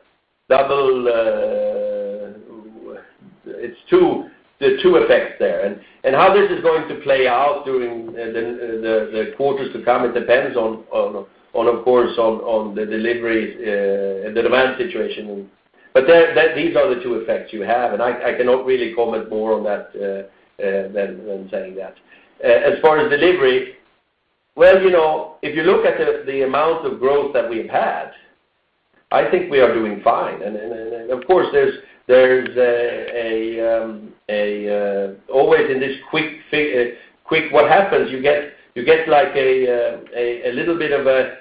it's two, there are two effects there. And how this is going to play out during the quarters to come, it depends on, of course, on the delivery and the demand situation. But there that these are the two effects you have, and I cannot really comment more on that than saying that. As far as delivery, well, you know, if you look at the amount of growth that we've had, I think we are doing fine. And of course, there's a always in this quick what happens, you get like a little bit of a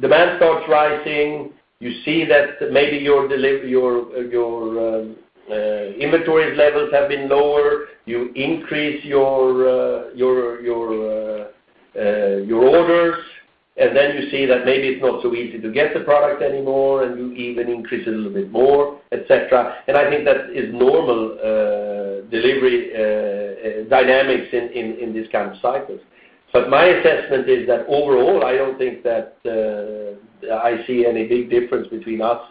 demand starts rising. You see that maybe your inventories levels have been lower. You increase your orders, and then you see that maybe it's not so easy to get the product anymore, and you even increase a little bit more, et cetera. I think that is normal delivery dynamics in this kind of cycles. But my assessment is that overall, I don't think that I see any big difference between us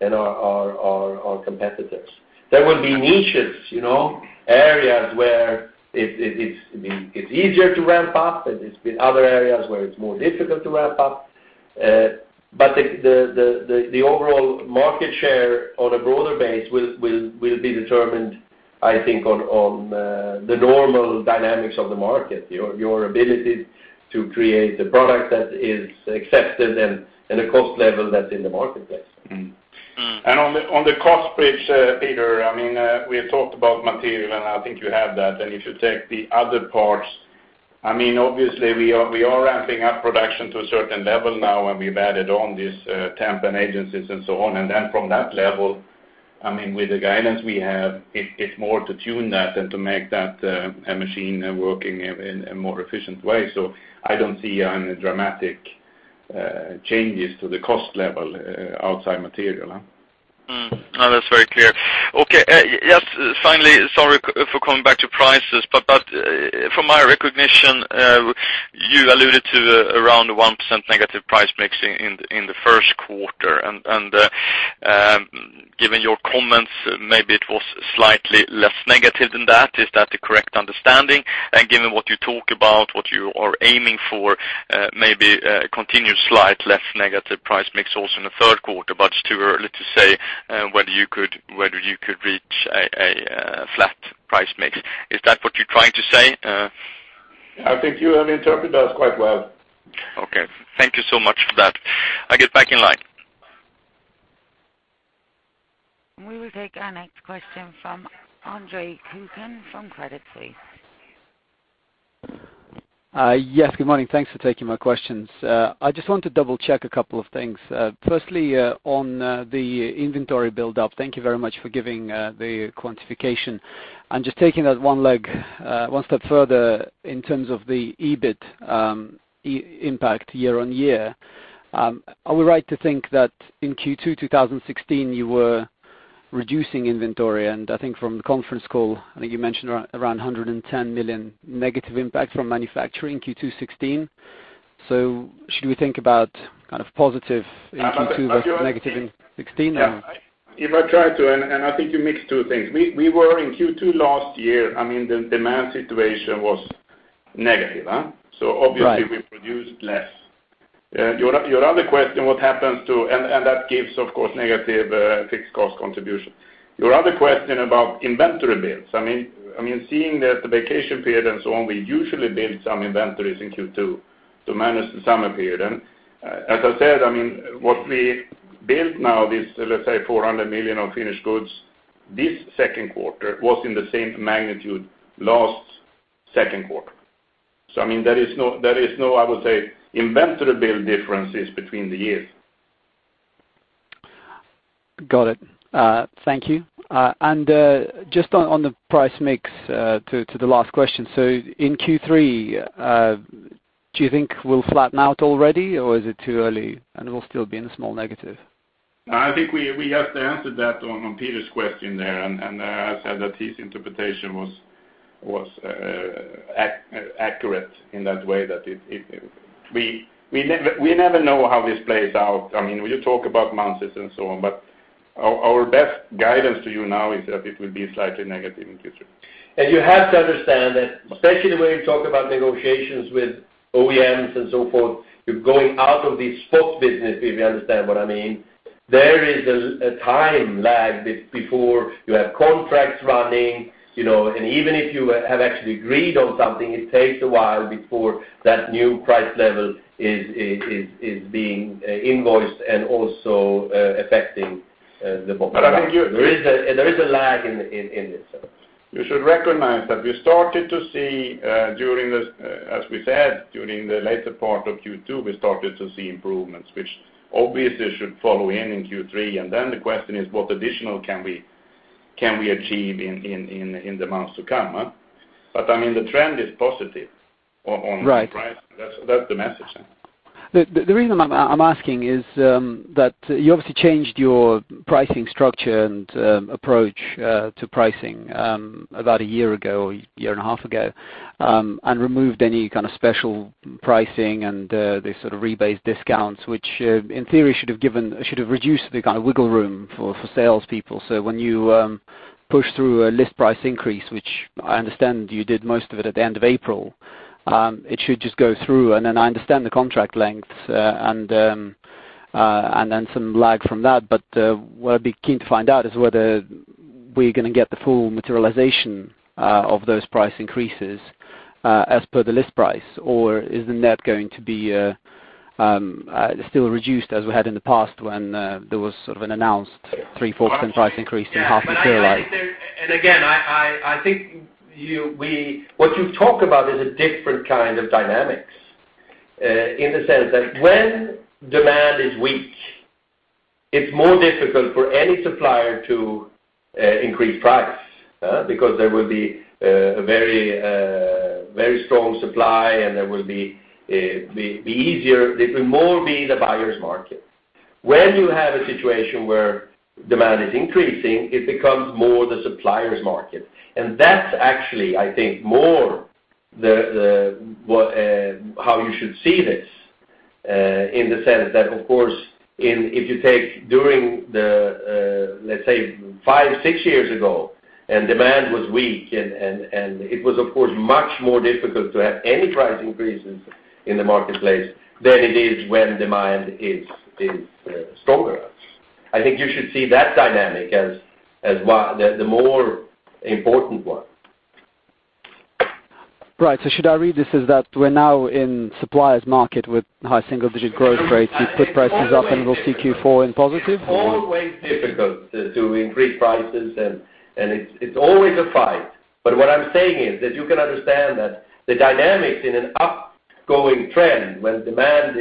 and our competitors. There will be niches, you know, areas where it's easier to ramp up, and it's been other areas where it's more difficult to ramp up. But the overall market share on a broader base will be determined, I think, on the normal dynamics of the market. Your ability to create a product that is accepted and a cost level that's in the marketplace. Mm-hmm. On the cost bridge, Peter, I mean, we talked about material, and I think you have that. And if you take the other parts, I mean, obviously, we are ramping up production to a certain level now, and we've added on these, temp and agencies, and so on. And then from that level, I mean, with the guidance we have, it's more to tune that than to make that a machine working in a more efficient way. So I don't see any dramatic changes to the cost level outside material, huh? No, that's very clear. Okay, yes, finally, sorry for coming back to prices, but, but from my recognition, you alluded to around 1% negative price mix in the first quarter. And, and, given your comments, maybe it was slightly less negative than that. Is that the correct understanding? And given what you talk about, what you are aiming for, maybe continuous slide, less negative price mix also in the third quarter, but it's too early to say whether you could, whether you could reach a flat price mix. Is that what you're trying to say? I think you have interpreted that quite well. Okay, thank you so much for that. I get back in line. We will take our next question from Andre Kukhnin from Credit Suisse. Yes, good morning. Thanks for taking my questions. I just want to double-check a couple of things. Firstly, on the inventory buildup, thank you very much for giving the quantification. And just taking that one leg one step further in terms of the EBIT, impact year-on-year, are we right to think that in Q2 2016 you were reducing inventory? And I think from the conference call, I think you mentioned around 110 million negative impact from manufacturing Q2 2016. So should we think about kind of positive in Q2 versus negative in 2016, or? If I try to, and I think you mixed two things. We were in Q2 last year, I mean, the demand situation was negative. Right. So obviously, we produced less. Your other question, what happens to, and that gives, of course, negative fixed cost contribution. Your other question about inventory builds, I mean, I mean, seeing that the vacation period and so on, we usually build some inventories in Q2 to manage the summer period. And as I said, I mean, what we built now, this, let's say, 400 million of finished goods, this second quarter was in the same magnitude last second quarter. So I mean, there is no, there is no, I would say, inventory build differences between the years. Got it. Thank you. And just on the price mix to the last question, so in Q3, do you think we'll flatten out already, or is it too early, and we'll still be in a small negative? I think we just answered that on Peter's question there, and I said that his interpretation was accurate in that way, that we never know how this plays out. I mean, we talk about months and so on, but our best guidance to you now is that it will be slightly negative in Q3. You have to understand that, especially when you talk about negotiations with OEMs and so forth, you're going out of this sports business, if you understand what I mean? There is a time lag before you have contracts running, you know, and even if you have actually agreed on something, it takes a while before that new price level is being invoiced and also affecting the bottom line. But I think you There is a lag in this. You should recognize that we started to see during this, as we said, during the later part of Q2, we started to see improvements, which obviously should follow in Q3. And then the question is: What additional can we achieve in the months to come? But, I mean, the trend is positive on price. Right. That's, that's the message. The reason I'm asking is that you obviously changed your pricing structure and approach to pricing about a year ago, or a year and a half ago, and removed any kind of special pricing and the sort of rebates, discounts, which in theory should have given, should have reduced the kind of wiggle room for salespeople. So when you push through a list price increase, which I understand you did most of it at the end of April, it should just go through, and then I understand the contract lengths and then some lag from that. But, what I'd be keen to find out is whether we're gonna get the full materialization of those price increases as per the list price, or is the net going to be still reduced, as we had in the past when there was sort of an announced 3%-4% price increase in half of last? I think what you talk about is a different kind of dynamics, in the sense that when demand is weak, it's more difficult for any supplier to increase price, because there will be a very, very strong supply, and it will be easier, it will more be the buyer's market. When you have a situation where demand is increasing, it becomes more the supplier's market, and that's actually, I think, more what, how you should see this, in the sense that of course, if you take during the, let's say five, six years ago, and demand was weak, and it was, of course, much more difficult to have any price increases in the marketplace than it is when demand is stronger. I think you should see that dynamic as the more important one. Right. Should I read this as that we're now in supplier's market with high single-digit growth rates, you've put prices up, and we'll see Q4 in positive? It's always difficult to increase prices, and it's always a fight. But what I'm saying is that you can understand that the dynamics in an upgoing trend, when demand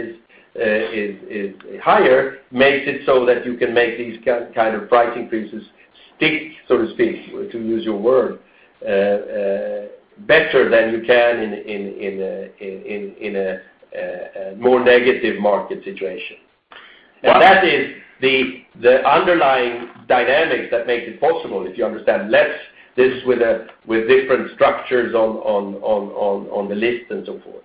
is higher, makes it so that you can make these kind of price increases stick, so to speak, to use your word, better than you can in a more negative market situation. But And that is the underlying dynamics that makes it possible, if you understand less this with different structures on the list and so forth.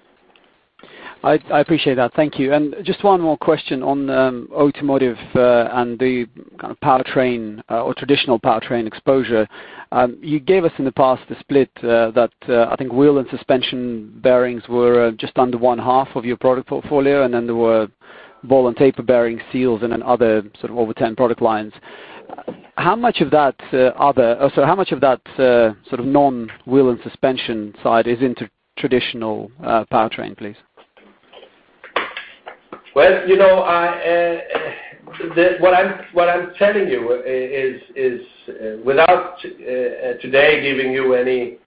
I appreciate that. Thank you. Just one more question on automotive and the kind of powertrain or traditional powertrain exposure. You gave us in the past the split that I think wheel and suspension bearings were just under one half of your product portfolio, and then there were ball and taper bearing seals and then other sort of over ten product lines. How much of that other. So how much of that sort of non-wheel and suspension side is into traditional powertrain, please? Well, you know, what I'm telling you is, without today giving you any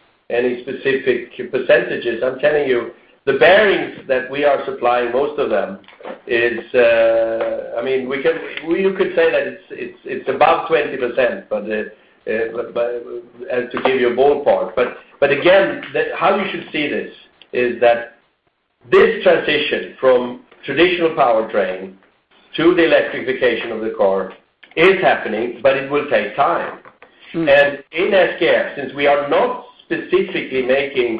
specific percentages, I'm telling you the bearings that we are supplying, most of them, is, I mean, you could say that it's about 20%, but, and to give you a ballpark. But again, how you should see this is that this transition from traditional powertrain to the electrification of the car is happening, but it will take time. Mm. And in SKF, since we are not specifically making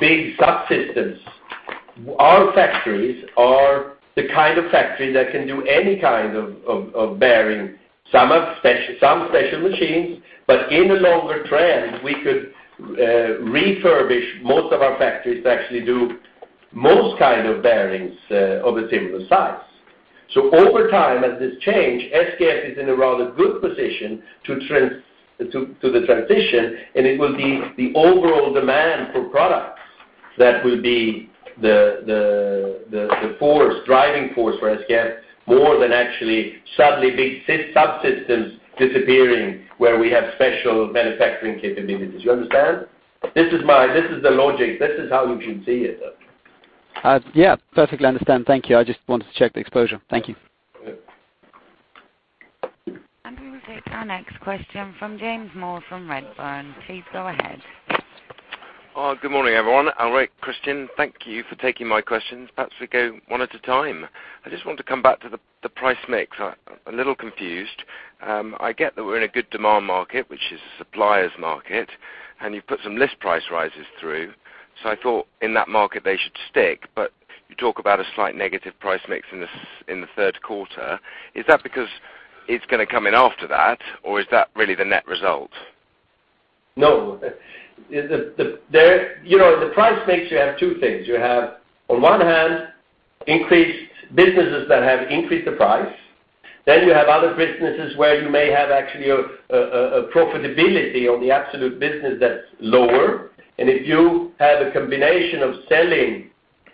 big subsystems, our factories are the kind of factories that can do any kind of bearing. Some are special, some special machines, but in a longer trend, we could refurbish most of our factories to actually do most kind of bearings of a similar size. So over time, as this change, SKF is in a rather good position to transition, and it will be the overall demand for products that will be the driving force for SKF, more than actually suddenly big subsystems disappearing, where we have special manufacturing capabilities. You understand? This is my, this is the logic. This is how you should see it, though. Yeah, perfectly understand. Thank you. I just wanted to check the exposure. Thank you. Yeah. We will take our next question from James Moore, from Redburn. Please go ahead. Good morning, everyone. All right, Christian, thank you for taking my questions. Perhaps we go one at a time. I just want to come back to the price mix. I'm a little confused. I get that we're in a good demand market, which is a supplier's market, and you've put some list price rises through, so I thought in that market they should stick, but you talk about a slight negative price mix in the third quarter. Is that because it's gonna come in after that, or is that really the net result? No, you know, the price mix has two things. You have, on one hand, increased businesses that have increased the price. Then you have other businesses where you may have actually a profitability on the absolute business that's lower. And if you have a combination of selling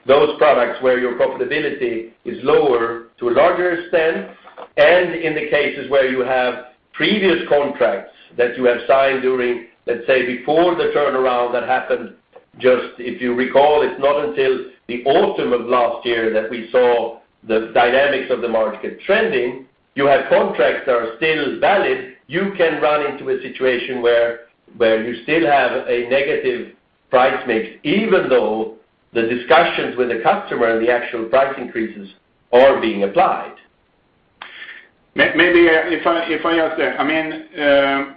those products where your profitability is lower to a larger extent, and in the cases where you have previous contracts that you have signed during, let's say, before the turnaround that happened, just if you recall, it's not until the autumn of last year that we saw the dynamics of the market trending. You have contracts that are still valid. You can run into a situation where you still have a negative price mix, even though the discussions with the customer and the actual price increases are being applied. Maybe, if I ask there, I mean,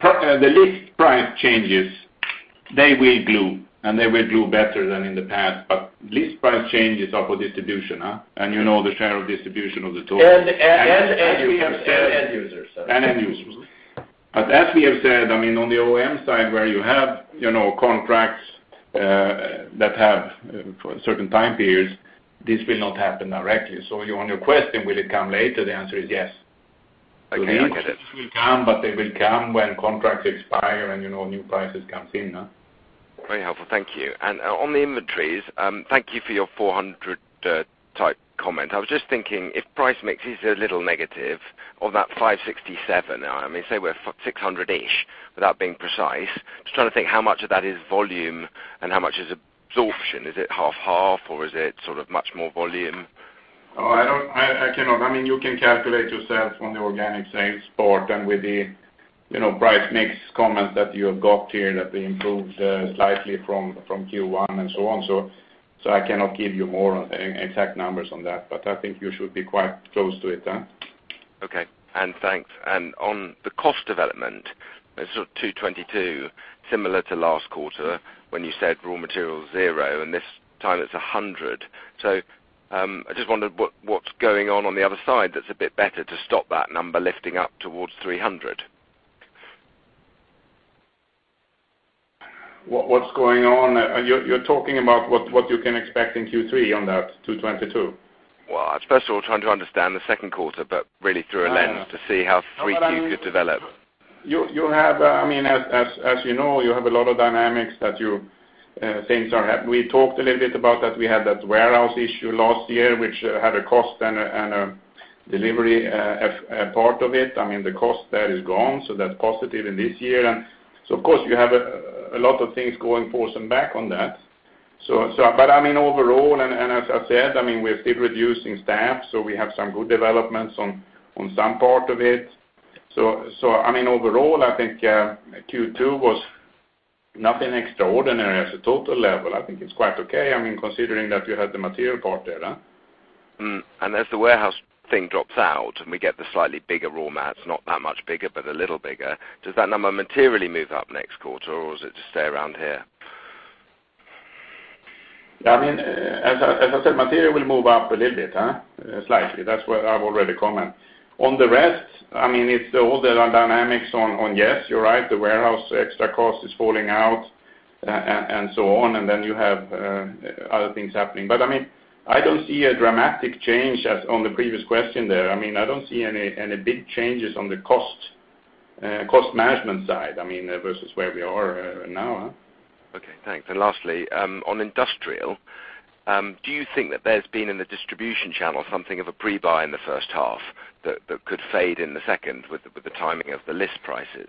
the list price changes, they will glue, and they will glue better than in the past, but list price changes are for distribution, huh? And you know, the share of distribution of the total. End users. End users. But as we have said, I mean, on the OEM side, where you have, you know, contracts that have for certain time periods, this will not happen directly. So on your question, will it come later? The answer is yes. I get it. It will come, but they will come when contracts expire, and you know, new prices come in, huh? Very helpful, thank you. And on the inventories, thank you for your 400 type comment. I was just thinking, if price mix is a little negative on that 567, I mean, say we're 600-ish, without being precise, just trying to think how much of that is volume and how much is absorption. Is it 50/50, or is it sort of much more volume? Oh, I don't. I cannot. I mean, you can calculate yourself on the organic sales part, and with the, you know, price mix comments that you have got here, that they improved slightly from Q1 and so on. So I cannot give you more on exact numbers on that, but I think you should be quite close to it, huh? Okay, and thanks. On the cost development, so 222, similar to last quarter, when you said raw material, 0, and this time it's 100. So, I just wondered what, what's going on on the other side that's a bit better to stop that number lifting up towards 300? What's going on? You're talking about what you can expect in Q3 on that 222? Well, I'm first of all trying to understand the second quarter, but really through a lens to see how three Qs could develop. You have, I mean, as you know, you have a lot of dynamics. We talked a little bit about that. We had that warehouse issue last year, which had a cost and a delivery part of it. I mean, the cost there is gone, so that's positive in this year. And so, of course, you have a lot of things going forth and back on that. So, but I mean, overall, and as I said, I mean, we're still reducing staff, so we have some good developments on some part of it. So, I mean, overall, I think Q2 was nothing extraordinary as a total level. I think it's quite okay. I mean, considering that we had the material part there, huh? As the warehouse thing drops out, and we get the slightly bigger raw mats, not that much bigger, but a little bigger, does that number materially move up next quarter, or does it just stay around here? I mean, as I said, material will move up a little bit, huh? Slightly. That's what I've already commented. On the rest, I mean, it's all the dynamics on, yes, you're right, the warehouse extra cost is falling out, and so on, and then you have other things happening. But, I mean, I don't see a dramatic change as on the previous question there. I mean, I don't see any big changes on the cost, cost management side, I mean, versus where we are now. Okay, thanks. Lastly, on industrial, do you think that there's been in the distribution channel, something of a pre-buy in the H1, that could fade in the second with the timing of the list prices?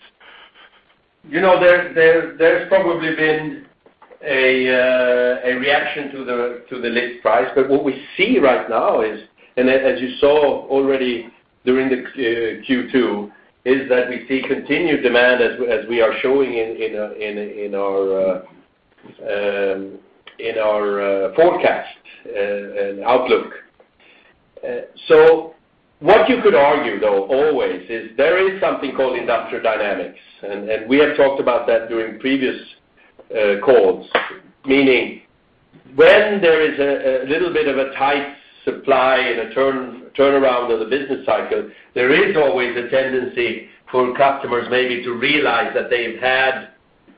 You know, there's probably been a reaction to the list price, but what we see right now is, and as you saw already during the Q2, is that we see continued demand as we are showing in our forecast and outlook. So what you could argue, though, always, is there is something called industrial dynamics, and we have talked about that during previous calls. Meaning, when there is a little bit of a tight supply and a turnaround of the business cycle, there is always a tendency for customers maybe to realize that they've had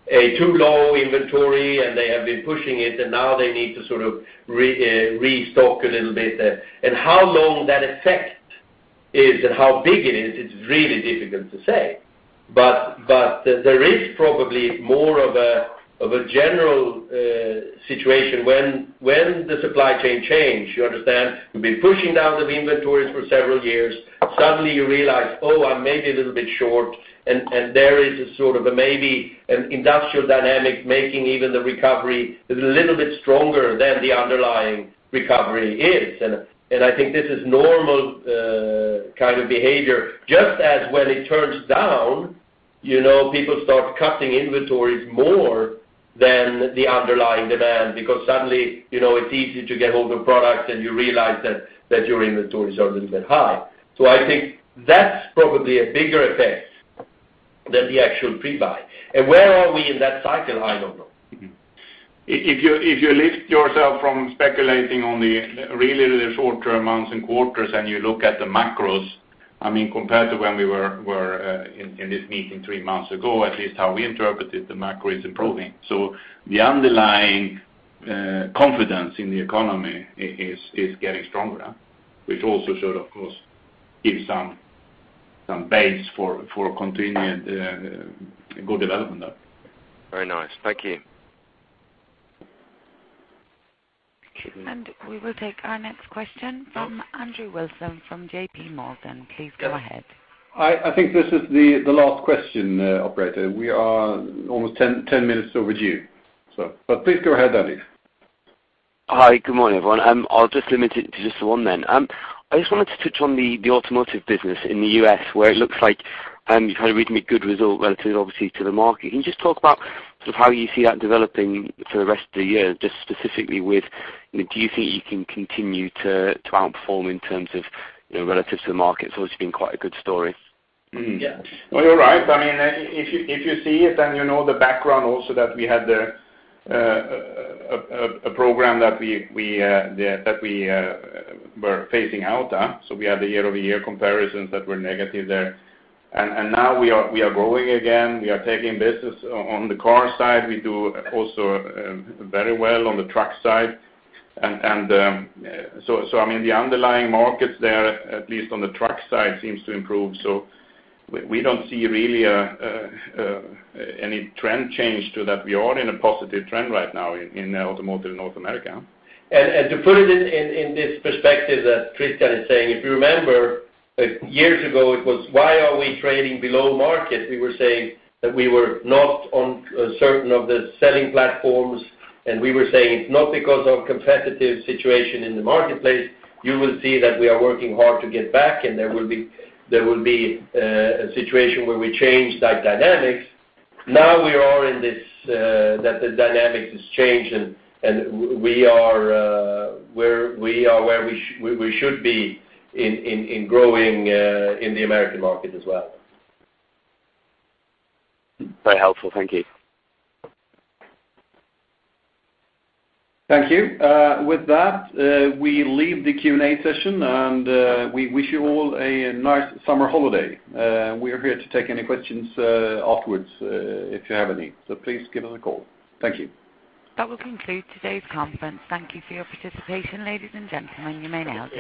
a too low inventory, and they have been pushing it, and now they need to sort of restock a little bit. And how long that effect is and how big it is, it's really difficult to say. But there is probably more of a general situation when the supply chain change, you understand, you've been pushing down the inventories for several years, suddenly you realize, oh, I'm maybe a little bit short, and there is a sort of a maybe an industrial dynamic, making even the recovery is a little bit stronger than the underlying recovery is. And I think this is normal kind of behavior, just as when it turns down, you know, people start cutting inventories more than the underlying demand, because suddenly, you know, it's easy to get all the products, and you realize that your inventories are a little bit high. So I think that's probably a bigger effect than the actual pre-buy. Where are we in that cycle? I don't know. If you, if you lift yourself from speculating on the really, really short-term months and quarters, and you look at the macros, I mean, compared to when we were in this meeting three months ago, at least how we interpreted, the macro is improving. So the underlying confidence in the economy is getting stronger, which also should, of course, give some base for continued good development there. Very nice. Thank you. We will take our next question from Andrew Wilson, from JPMorgan. Please go ahead. I think this is the last question, operator. We are almost 10 minutes overdue, so but please go ahead, Andy. Hi, good morning, everyone. I'll just limit it to just the one then. I just wanted to touch on the automotive business in the U.S. where it looks like you've had a really good result relative, obviously, to the market. Can you just talk about sort of how you see that developing for the rest of the year, just specifically with, do you think you can continue to outperform in terms of, you know, relative to the market? It's been quite a good story. Mm-hmm. Yeah. Well, you're right. I mean, if you see it, then you know the background also that we had a program that we were phasing out. So we had the year-over-year comparisons that were negative there. And now we are growing again. We are taking business on the car side. We do also very well on the truck side. And so I mean, the underlying markets there, at least on the truck side, seems to improve. So we don't see really any trend change to that. We are in a positive trend right now in automotive in North America. To put it in this perspective that Christian is saying, if you remember, years ago, it was why are we trading below market? We were saying that we were not on certain of the selling platforms, and we were saying it's not because of competitive situation in the marketplace. You will see that we are working hard to get back, and there will be a situation where we change that dynamics. Now we are all in this that the dynamic has changed, and we are where we are, where we should be in growing in the American market as well. Very helpful. Thank you. Thank you. With that, we leave the Q&A session, and we wish you all a nice summer holiday. We are here to take any questions afterwards, if you have any. So please give us a call. Thank you. That will conclude today's conference. Thank you for your participation, ladies and gentlemen. You may now disconnect.